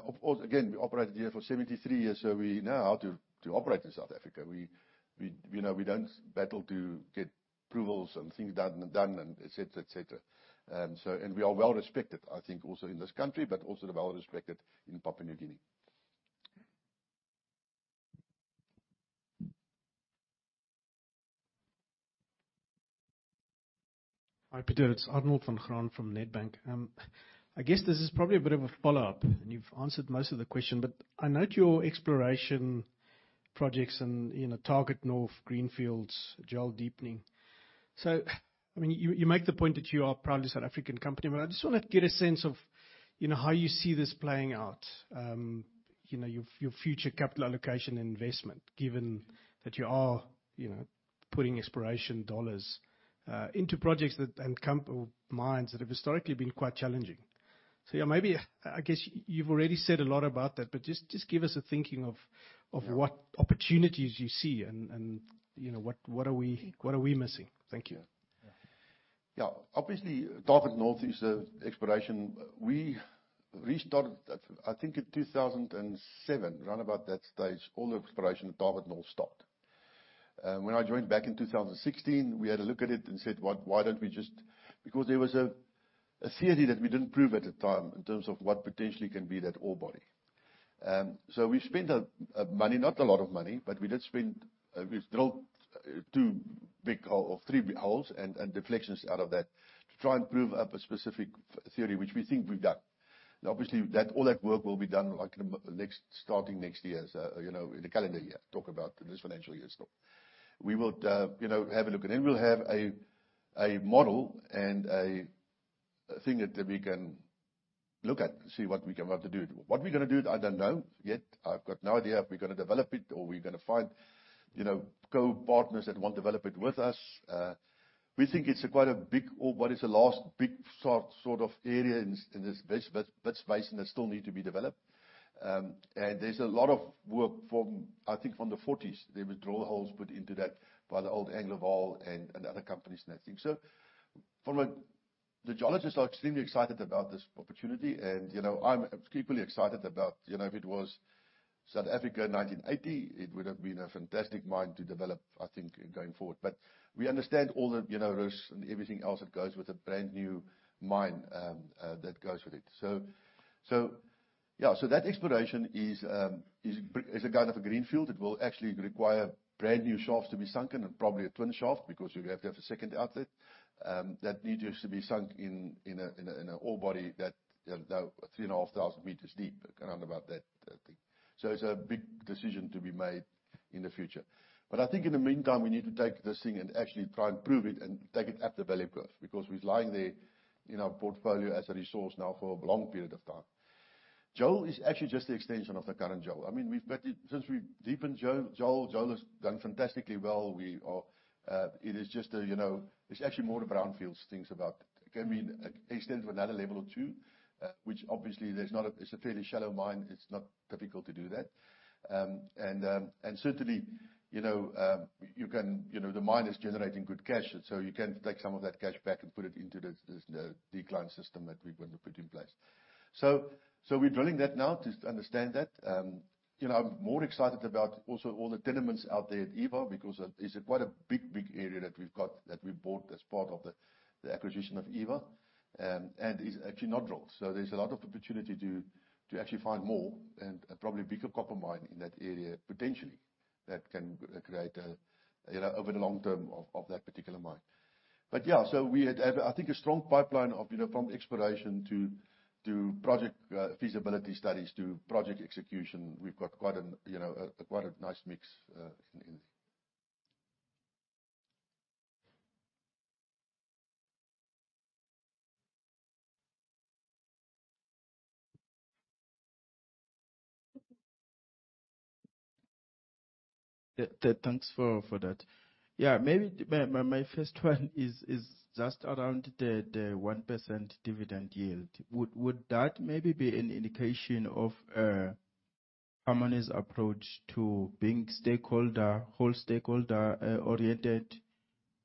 of course, again, we operated here for 73 years, so we know how to operate in South Africa. We, you know, we don't battle to get approvals and things done and done and et cetera, et cetera. So, and we are well respected, I think, also in this country, but also well respected in Papua New Guinea. Hi, Peter. It's Arnold van Graan from Nedbank. I guess this is probably a bit of a follow-up, and you've answered most of the question, but I note your exploration projects and, you know, Target North, Greenfields, Joel deepening. So, I mean, you make the point that you are a proudly South African company, but I just wanna get a sense of, you know, how you see this playing out. You know, your future capital allocation investment, given that you are, you know, putting exploration dollars into projects that, underground mines, that have historically been quite challenging. So, yeah, maybe, I guess you've already said a lot about that, but just give us a thinking of what opportunities you see and, you know, what are we missing? Thank you. Yeah. Obviously, Target North is an exploration. We restarted, I think, in 2007, around about that stage, all the exploration at Target North stopped. When I joined back in 2016, we had a look at it and said, "What- why don't we just..." Because there was a theory that we didn't prove at the time in terms of what potentially can be that ore body. So we spent a money, not a lot of money, but we did spend, we've drilled two big hole or three big holes and deflections out of that to try and prove up a specific theory, which we think we've done. Now, obviously, that, all that work will be done, like, next, starting next year. So, you know, in the calendar year, talk about this financial year. So we will, you know, have a look, and then we'll have a, a model and a thing that, that we can look at to see what we can want to do. What we're gonna do, I don't know yet. I've got no idea if we're gonna develop it or we're gonna find, you know, co-partners that want to develop it with us. We think it's quite a big, or what is the last big sort, sort of, area in this, this Wits Basin that still need to be developed. And there's a lot of work from, I think, from the forties. There were drill holes put into that by the old Anglovaal and, and other companies and that thing. The geologists are extremely excited about this opportunity, and, you know, I'm equally excited about, you know, if it was South Africa in 1980, it would have been a fantastic mine to develop, I think, going forward. But we understand all the, you know, risks and everything else that goes with a brand-new mine that goes with it. So yeah. So that exploration is a kind of a greenfield. It will actually require brand-new shafts to be sunken and probably a twin shaft, because you have to have a second outlet that needs to be sunk in an ore body that 3,500 meters deep, around about that. So it's a big decision to be made in the future. But I think in the meantime, we need to take this thing and actually try and prove it, and take it up the value curve, because it's lying there in our portfolio as a resource now for a long period of time. Joel is actually just an extension of the current Joel. I mean, we've but since we've deepened Joel, Joel has done fantastically well. We are, it is just a, you know, it's actually more of a brownfields things about, can we extend for another level or two? Which obviously it's a fairly shallow mine, it's not difficult to do that. Certainly, you know, you can, you know, the mine is generating good cash, so you can take some of that cash back and put it into the decline system that we're going to put in place. So we're drilling that now to understand that. You know, I'm more excited about also all the tenements out there at Eva, because it's quite a big, big area that we've got, that we bought as part of the acquisition of Eva. It's actually not drilled. So there's a lot of opportunity to actually find more and probably bigger copper mine in that area, potentially, that can create a, you know, over the long term of that particular mine. But yeah, so we had, I think, a strong pipeline of, you know, from exploration to project feasibility studies to project execution. We've got quite an, you know, quite a nice mix in. Thanks for that. Yeah, maybe my first one is just around the 1% dividend yield. Would that maybe be an indication of Harmony's approach to being stakeholder, whole stakeholder oriented,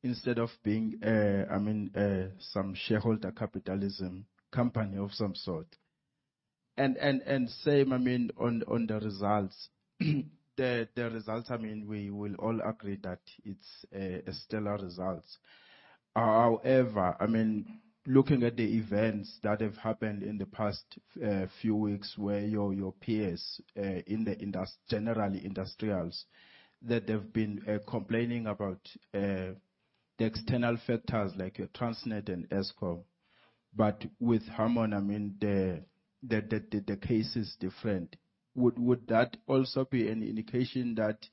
instead of being, I mean, some shareholder capitalism company of some sort? And same, I mean, on the results. The results, I mean, we will all agree that it's a stellar results. However, I mean, looking at the events that have happened in the past few weeks, where your peers in the generally industrials that they've been complaining about the external factors like Transnet and Eskom. But with Harmony, I mean, the case is different. Would that also be an indication that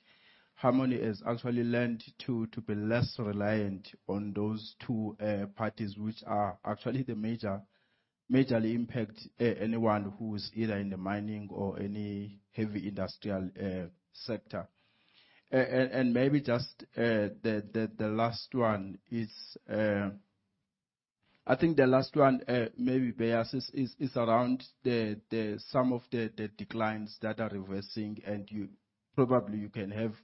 Harmony has actually learned to be less reliant on those two parties, which are actually majorly impacting anyone who's either in the mining or any heavy industrial sector? And maybe just the last one is. I think the last one, maybe the bias is around some of the declines that are reversing, and you probably can have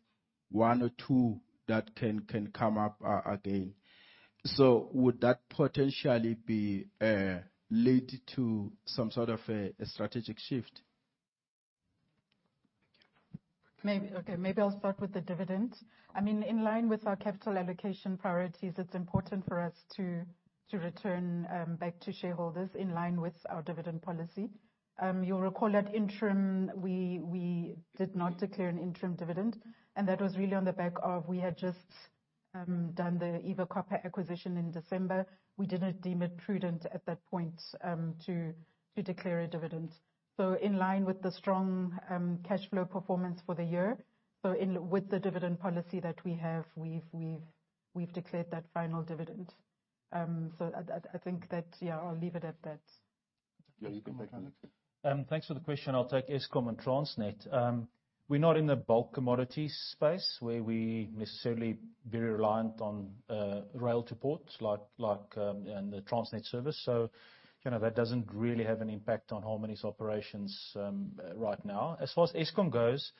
one or two that can come up again. So would that potentially lead to some sort of a strategic shift? Maybe... Okay, maybe I'll start with the dividend. I mean, in line with our capital allocation priorities, it's important for us to return back to shareholders in line with our dividend policy. You'll recall at interim, we did not declare an interim dividend, and that was really on the back of we had just done the Eva Copper acquisition in December. We didn't deem it prudent at that point to declare a dividend. So in line with the strong cash flow performance for the year, with the dividend policy that we have, we've declared that final dividend. So I think that, yeah, I'll leave it at that. Yeah, you can take that next. Thanks for the question. I'll take Eskom and Transnet. We're not in the bulk commodities space, where we necessarily very reliant on, rail to ports, like, like, and the Transnet service. So, you know, that doesn't really have an impact on Harmony's operations, right now. As far as Eskom goes,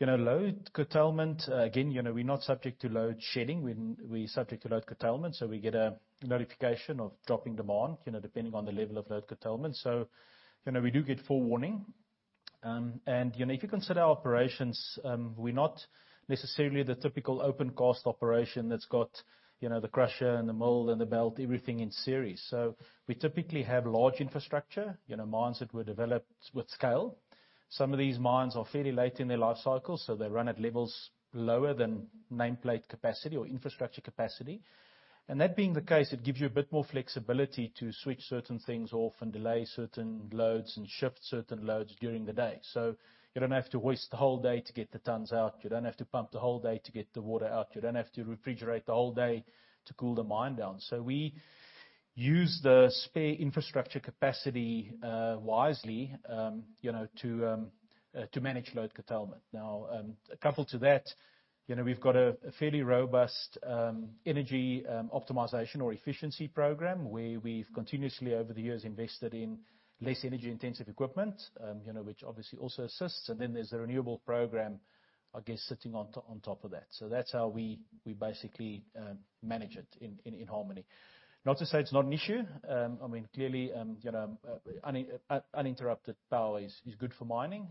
you know, load curtailment, again, you know, we're not subject to load shedding, we're, we're subject to load curtailment, so we get a notification of dropping demand, you know, depending on the level of load curtailment. So, you know, we do get forewarning. And, you know, if you consider our operations, we're not necessarily the typical open cast operation that's got, you know, the crusher and the mill and the belt, everything in series. So we typically have large infrastructure, you know, mines that were developed with scale. Some of these mines are fairly late in their life cycle, so they run at levels lower than nameplate capacity or infrastructure capacity. That being the case, it gives you a bit more flexibility to switch certain things off and delay certain loads, and shift certain loads during the day. So you don't have to waste the whole day to get the tons out. You don't have to pump the whole day to get the water out. You don't have to refrigerate the whole day to cool the mine down. So we use the spare infrastructure capacity wisely, you know, to manage load curtailment. Now, coupled to that, you know, we've got a fairly robust energy optimization or efficiency program, where we've continuously, over the years, invested in less energy-intensive equipment, you know, which obviously also assists. Then there's the renewable program, I guess, sitting on top, on top of that. So that's how we basically manage it in Harmony. Not to say it's not an issue, I mean, clearly, you know, uninterrupted power is good for mining.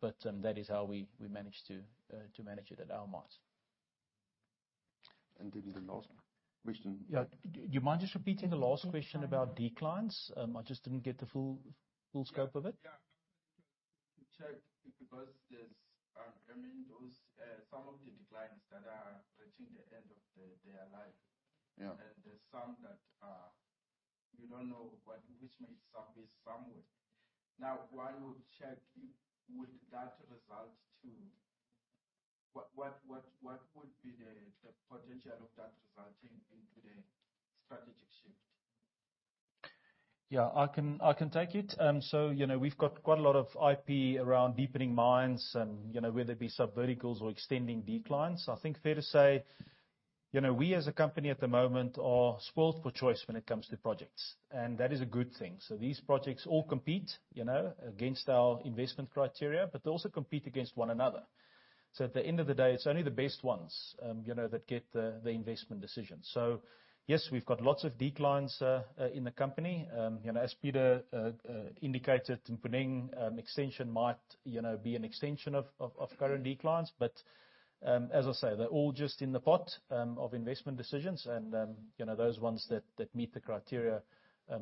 But that is how we manage to manage it at our mines. And then the last question- Yeah. Do you mind just repeating the last question about declines? I just didn't get the full, full scope of it. Yeah. To check because the-... those, some of the declines that are approaching the end of the, their life. Yeah. There's some that you don't know what, which may surface somewhere. Now, while you check, would that result to—what would be the potential of that resulting into the strategic shift? Yeah, I can, I can take it. So, you know, we've got quite a lot of IP around deepening mines and, you know, whether it be subverticals or extending declines. I think fair to say, you know, we as a company at the moment, are spoiled for choice when it comes to projects, and that is a good thing. So these projects all compete, you know, against our investment criteria, but they also compete against one another. So at the end of the day, it's only the best ones, you know, that get the investment decision. So yes, we've got lots of declines in the company. You know, as Peter indicated, Mponeng extension might, you know, be an extension of current declines. As I say, they're all just in the pot of investment decisions, and you know, those ones that meet the criteria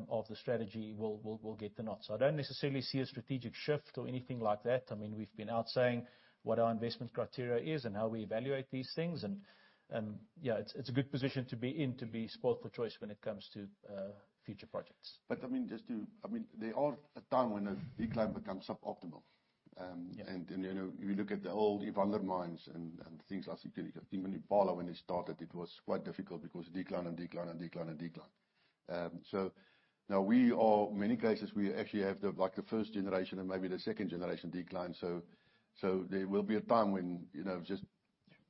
of the strategy will get the nod. I don't necessarily see a strategic shift or anything like that. I mean, we've been out saying what our investment criteria is and how we evaluate these things. Yeah, it's a good position to be in, to be spoiled for choice when it comes to future projects. I mean, I mean, there are a time when a decline becomes suboptimal. Yeah. and, you know, you look at the old Evander mines and things like even Impala, when they started, it was quite difficult because decline and decline and decline and decline. So now we are, in many cases we actually have the, like, the first generation and maybe the second generation decline. So there will be a time when, you know, just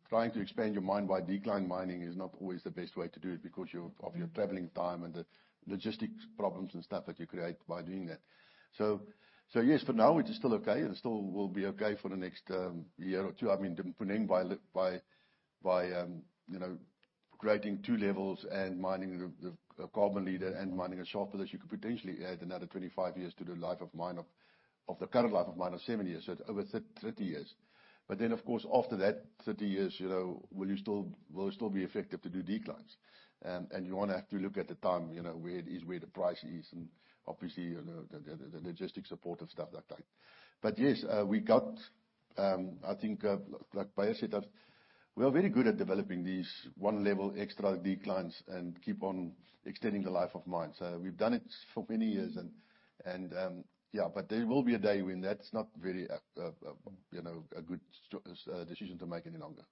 trying to expand your mine by decline mining is not always the best way to do it, because your- Mm. of your traveling time and the logistics problems and stuff that you create by doing that. So, yes, for now, it is still okay, and still will be okay for the next year or two. I mean, the Mponeng by creating two levels and mining the Carbon Leader and mining the VCR, you could potentially add another 25 years to the life of mine of the current life of mine of 7 years, so over thirty years. But then, of course, after that 30 years, you know, will it still be effective to do declines? And you want to have to look at the time, you know, where it is, where the price is, and obviously, you know, the logistics supportive stuff, that type. But yes, we got... I think, like Beyers said, that we are very good at developing these one-level extra declines and keep on extending the life of mine. So we've done it for many years and, and, yeah, but there will be a day when that's not very, you know, a good decision to make any longer.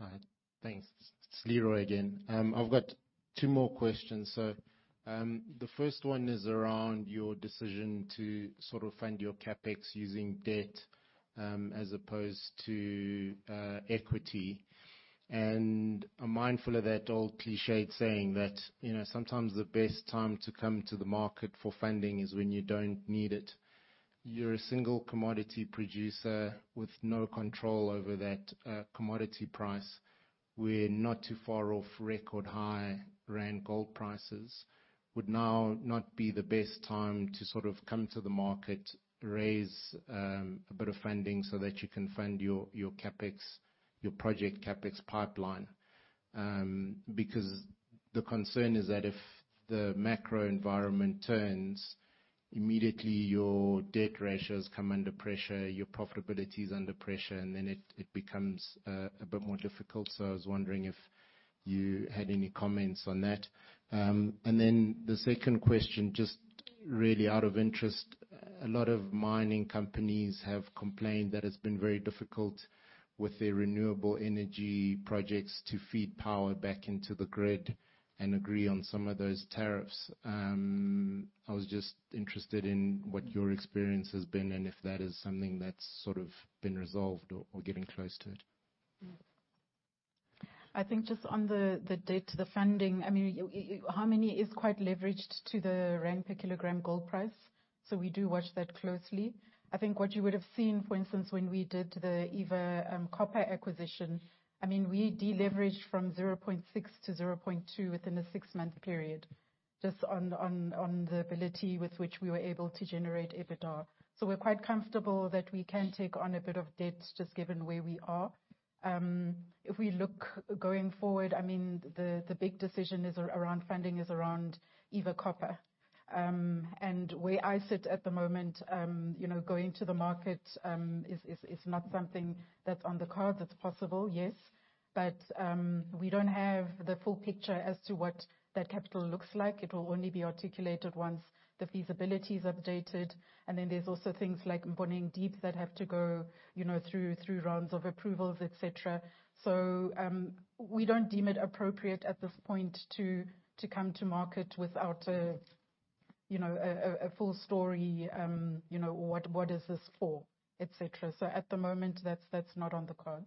All right. Thanks. It's Leroy again. I've got two more questions. So, the first one is around your decision to sort of fund your CapEx using debt, as opposed to, equity. And I'm mindful of that old clichéd saying that, you know, sometimes the best time to come to the market for funding is when you don't need it. You're a single commodity producer with no control over that, commodity price. We're not too far off record high rand gold prices. Would now not be the best time to sort of come to the market, raise, a bit of funding so that you can fund your, your CapEx, your project CapEx pipeline? Because the concern is that if the macro environment turns, immediately, your debt ratios come under pressure, your profitability is under pressure, and then it becomes a bit more difficult. So I was wondering if you had any comments on that. And then the second question, just really out of interest, a lot of mining companies have complained that it's been very difficult with their renewable energy projects to feed power back into the grid and agree on some of those tariffs. I was just interested in what your experience has been and if that is something that's sort of been resolved or getting close to it. I think just on the debt, the funding, I mean, Harmony is quite leveraged to the rand per kilogram gold price, so we do watch that closely. I think what you would have seen, for instance, when we did the Eva Copper acquisition, I mean, we deleveraged from 0.6 to 0.2 within a six-month period, just on the ability with which we were able to generate EBITDA. So we're quite comfortable that we can take on a bit of debt, just given where we are. If we look going forward, I mean, the big decision is around funding, is around Eva Copper. And where I sit at the moment, you know, going to the market is not something that's on the cards. It's possible, yes, but we don't have the full picture as to what that capital looks like. It will only be articulated once the feasibility is updated, and then there's also things like Mponeng Deep that have to go, you know, through rounds of approvals, et cetera. So, we don't deem it appropriate at this point to come to market without a, you know, full story. You know, what is this for? Et cetera. So at the moment, that's not on the cards.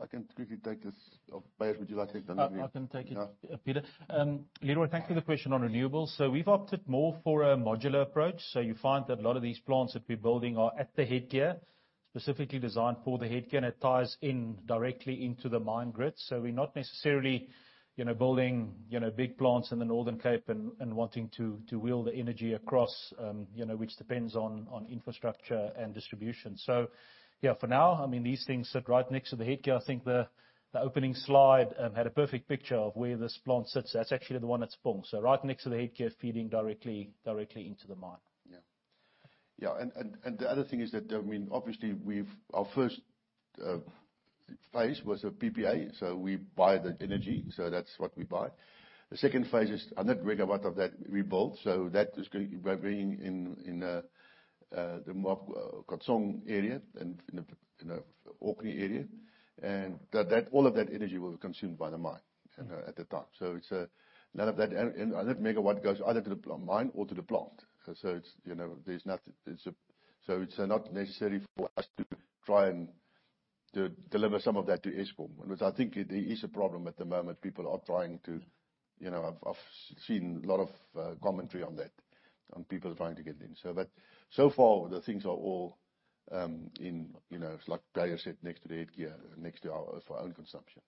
I can quickly take this. Or, Beyers, would you like take the next one? I can take it, Peter. Yeah. Leroy, thank you for the question on renewables. So we've opted more for a modular approach. So you find that a lot of these plants that we're building are at the headgear, specifically designed for the headgear, and it ties in directly into the mine grid. So we're not necessarily, you know, building, you know, big plants in the Northern Cape and wanting to wheel the energy across, you know, which depends on infrastructure and distribution. So yeah, for now, I mean, these things sit right next to the headgear. I think the opening slide had a perfect picture of where this plant sits. That's actually the one at Tshepong, so right next to the headgear, feeding directly into the mine. Yeah. Yeah, and the other thing is that, I mean, obviously, we have our first phase was a PPA, so we buy the energy, so that's what we buy. The second phase is another megawatt that we built, so that is going to be in the Moab Khotsong area, and in the Orkney area. And that, all of that energy will be consumed by the mine at the time. So it's none of that. And another megawatt goes either to the mine or to the plant. So it's, you know, so it's not necessary for us to try and to deliver some of that to Eskom. Because I think it is a problem at the moment, people are trying to, you know, I've seen a lot of commentary on that, on people trying to get in. So but so far, the things are all in, you know, it's like Beyers said, next to their headgear, next to our, for our own consumption.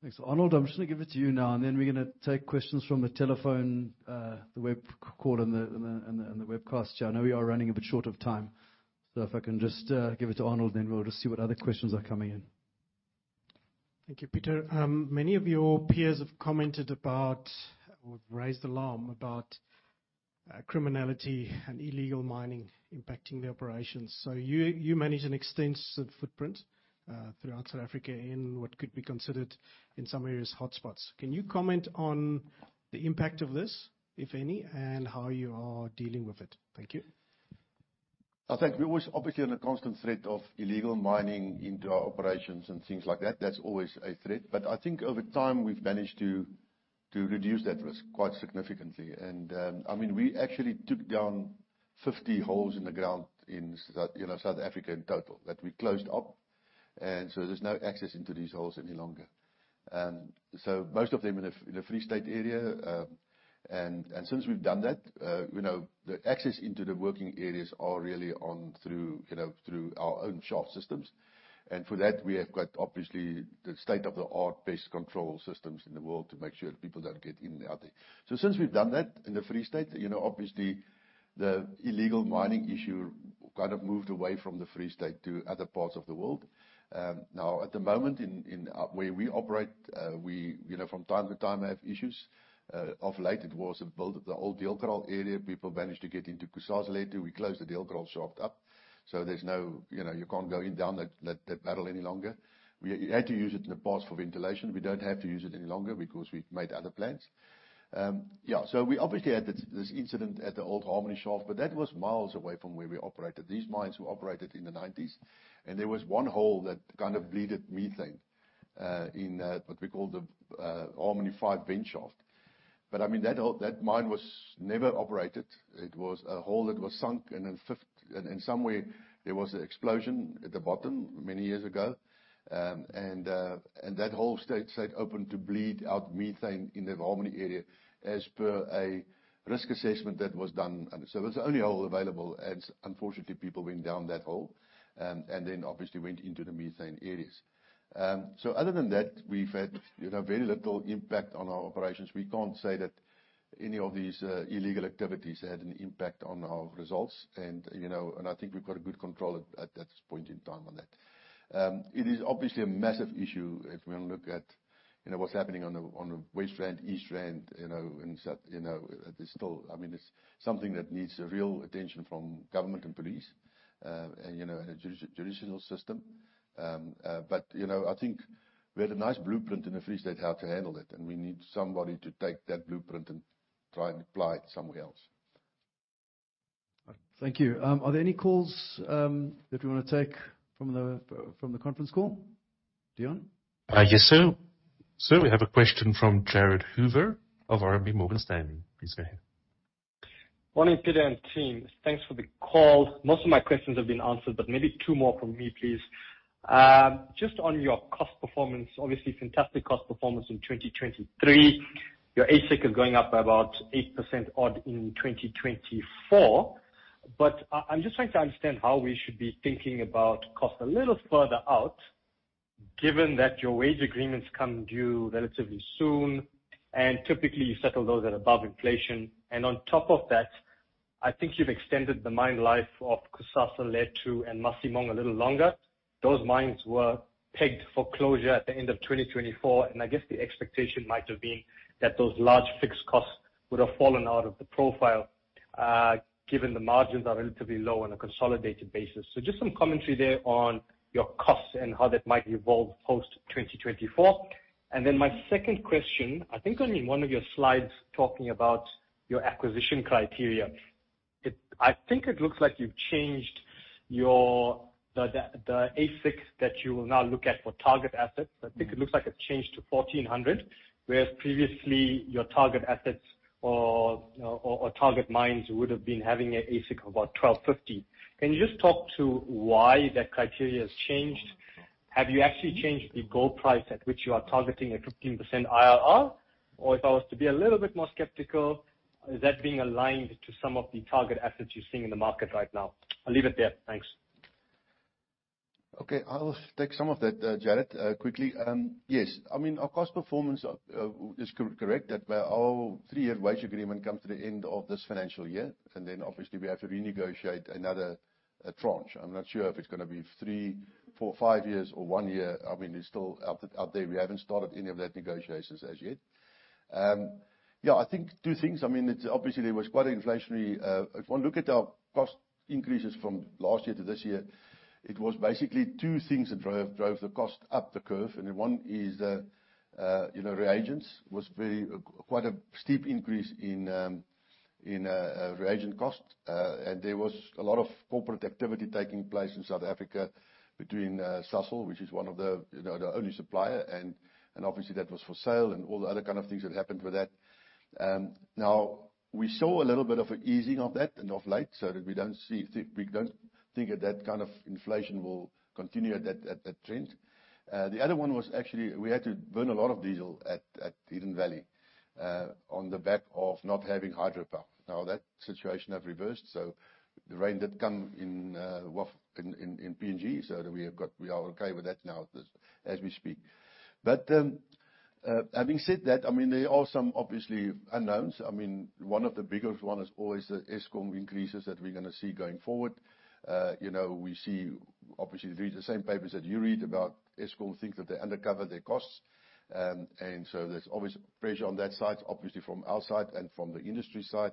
Thanks. Arnold, I'm just gonna give it to you now, and then we're gonna take questions from the telephone, the web call and the webcast. I know we are running a bit short of time, so if I can just give it to Arnold, then we'll just see what other questions are coming in. Thank you, Peter. Many of your peers have commented about, or raised alarm about, criminality and illegal mining impacting the operations. So you manage an extensive footprint throughout South Africa, in what could be considered, in some areas, hot spots. Can you comment on the impact of this, if any, and how you are dealing with it? Thank you. I think we're always obviously under constant threat of illegal mining into our operations and things like that. That's always a threat. But I think over time, we've managed to reduce that risk quite significantly. And, I mean, we actually took down 50 holes in the ground in South Africa in total, that we closed up, and so there's no access into these holes any longer. So most of them in the Free State area. And since we've done that, you know, the access into the working areas are really on through, you know, through our own shaft systems. And for that, we have got obviously the state-of-the-art access control systems in the world to make sure people don't get in and out there. So since we've done that in the Free State, you know, obviously, the illegal mining issue kind of moved away from the Free State to other parts of the world. Now, at the moment, in where we operate, we, you know, from time to time, have issues. Of late, but it was at the old Deelkraal area. People managed to get into Kusasalethu. We closed the Deelkraal shaft up, so there's no, you know, you can't go in down that tunnel any longer. We had to use it in the past for ventilation. We don't have to use it any longer because we've made other plans. Yeah, so we obviously had this incident at the old Harmony shaft, but that was miles away from where we operated. These mines were operated in the nineties, and there was one hole that kind of bled methane in what we call the Harmony 5 Vent Shaft. But, I mean, that hole, that mine was never operated. It was a hole that was sunk, and then in some way, there was an explosion at the bottom many years ago. And that hole stayed open to bleed out methane in the Harmony area, as per a risk assessment that was done. So it was the only hole available, and unfortunately, people went down that hole, and then obviously went into the methane areas. So other than that, we've had, you know, very little impact on our operations. We can't say that any of these illegal activities had an impact on our results. And, you know, and I think we've got a good control at, at this point in time on that. It is obviously a massive issue if we look at, you know, what's happening on the, on the West Rand, East Rand, you know, and South, you know, it's still... I mean, it's something that needs a real attention from government and police, and, you know, and the judicial system. But, you know, I think we had a nice blueprint in the Free State how to handle it, and we need somebody to take that blueprint and try and apply it somewhere else. Thank you. Are there any calls, that we want to take from the, from the conference call, Dion? Yes, sir. We have a question from Jared Hoover of RMB Morgan Stanley. Please go ahead. Morning, Peter and team. Thanks for the call. Most of my questions have been answered, but maybe two more from me, please. Just on your cost performance, obviously fantastic cost performance in 2023. Your AISC is going up by about 8% odd in 2024. But I, I'm just trying to understand how we should be thinking about cost a little further out, given that your wage agreements come due relatively soon, and typically, you settle those at above inflation. And on top of that, I think you've extended the mine life of Kusasalethu and Masimong a little longer. Those mines were pegged for closure at the end of 2024, and I guess the expectation might have been that those large fixed costs would have fallen out of the profile, given the margins are relatively low on a consolidated basis. So just some commentary there on your costs and how that might evolve post-2024. And then my second question, I think on one of your slides, talking about your acquisition criteria. I think it looks like you've changed your, the AISC that you will now look at for target assets. I think it looks like it changed to $1,400, whereas previously, your target assets or target mines would have been having an AISC of about $1,250. Can you just talk to why that criteria has changed? Have you actually changed the gold price at which you are targeting a 15% IRR? Or if I was to be a little bit more skeptical, is that being aligned to some of the target assets you're seeing in the market right now? I'll leave it there. Thanks. Okay. I'll take some of that, Jared, quickly. Yes, I mean, our cost performance is correct, that our three-year wage agreement comes to the end of this financial year, and then obviously we have to renegotiate another tranche. I'm not sure if it's gonna be three, four, five years or one year. I mean, it's still out there, out there. We haven't started any of that negotiations as yet. Yeah, I think two things. I mean, it's obviously there was quite an inflationary if one look at our cost increases from last year to this year, it was basically two things that drove the cost up the curve. And one is, you know, reagents was very quite a steep increase in reagent cost. And there was a lot of corporate activity taking place in South Africa between Sasol, which is one of the, you know, the only supplier, and obviously that was for sale and all the other kind of things that happened with that. Now, we saw a little bit of an easing of that and of late, so that we don't see, we don't think that that kind of inflation will continue at that trend. The other one was actually we had to burn a lot of diesel at Hidden Valley on the back of not having hydropower. Now, that situation have reversed, so the rain did come in, well, in PNG, so that we are okay with that now as we speak. But, having said that, I mean, there are some obviously unknowns. I mean, one of the biggest one is always the Eskom increases that we're gonna see going forward. You know, we see obviously read the same papers that you read about Eskom think that they undercover their costs. And so there's always pressure on that side. Obviously, from our side and from the industry side,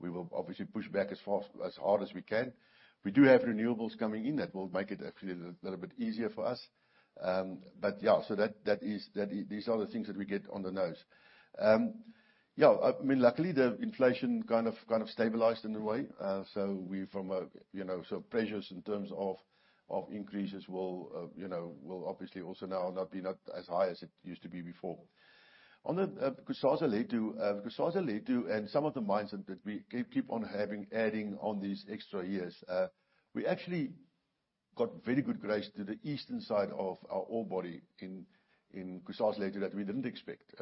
we will obviously push back as fast, as hard as we can. We do have renewables coming in that will make it a little bit easier for us. But, yeah, so that, that is, that... These are the things that we get on the nose. Yeah, I mean, luckily, the inflation kind of, kind of stabilized in a way. So we from a, you know, so pressures in terms of, of increases will, you know, will obviously also now not be not as high as it used to be before. On the, Kusasalethu, Kusasalethu and some of the mines that, that we keep, keep on having, adding on these extra years, we actually got very good grades to the eastern side of our ore body in, in Kusasalethu that we didn't expect.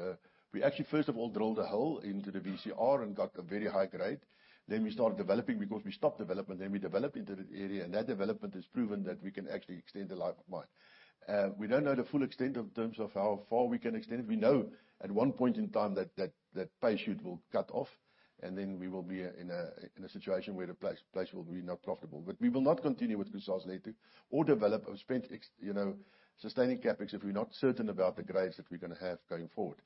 We actually, first of all, drilled a hole into the VCR and got a very high grade. Then we started developing because we stopped development, then we developed into the area, and that development has proven that we can actually extend the life of mine. We don't know the full extent of terms of how far we can extend it. We know at one point in time that that pay shoot will cut off, and then we will be in a situation where the place will be not profitable. But we will not continue with Kusasalethu or develop or spend, you know, sustaining CapEx if we're not certain about the grades that we're gonna have going forward.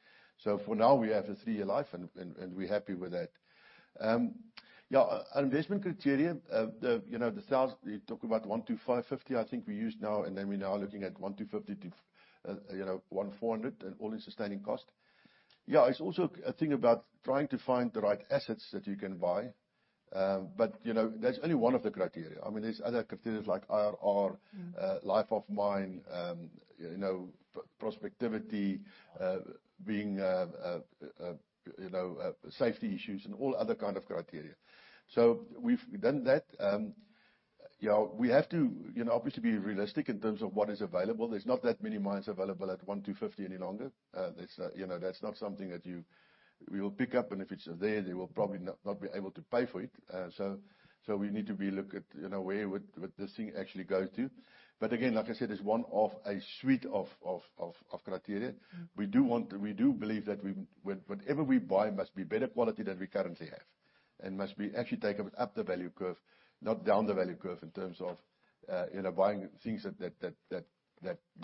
So for now, we have a three-year life and we're happy with that. Yeah, our investment criteria, the, you know, the sales, you talk about $1,550, I think we use now, and then we now are looking at $1,400, you know, and all-in sustaining cost. Yeah, it's also a thing about trying to find the right assets that you can buy, but, you know, that's only one of the criteria. I mean, there's other criteria like IRR, life of mine, you know, prospectivity, being, you know, safety issues and all other kind of criteria. So we've done that. Yeah, we have to, you know, obviously be realistic in terms of what is available. There's not that many mines available at $1,250 any longer. That's, you know, that's not something that you... We will pick up, and if it's there, they will probably not be able to pay for it. So we need to look at, you know, where would this thing actually go to? But again, like I said, it's one of a suite of criteria. We do want to. We do believe that we, whatever we buy must be better quality than we currently have, and must actually take up the value curve, not down the value curve, in terms of, you know, buying things that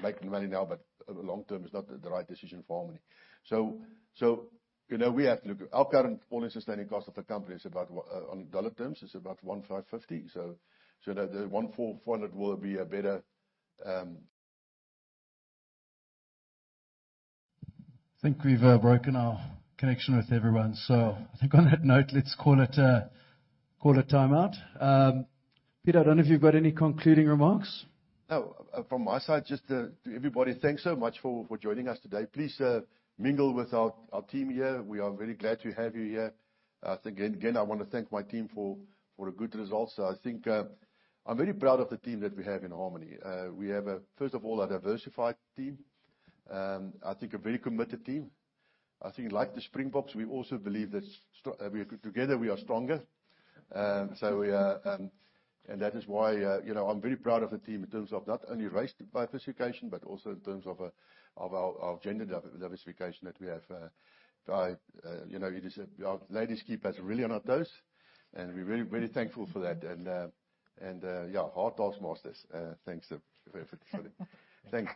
make money now, but long term is not the right decision for Harmony. So, you know, we have to look at our current all-in sustaining cost of the company is about, on dollar terms, is about $1,550, so that the $1,400 will be a better. I think we've broken our connection with everyone. So I think on that note, let's call it, call a timeout. Peter, I don't know if you've got any concluding remarks? No. From my side, just to everybody, thanks so much for joining us today. Please mingle with our team here. We are very glad to have you here. Again, I want to thank my team for a good result. So I think I'm very proud of the team that we have in Harmony. We have a, first of all, a diversified team. I think a very committed team. I think like the Springboks, we also believe that we together we are stronger. And that is why, you know, I'm very proud of the team in terms of not only race diversification, but also in terms of our gender diversification that we have, you know, it is our ladies keep us really on our toes, and we're very, very thankful for that. And yeah, hard task masters, thanks for the... Thanks.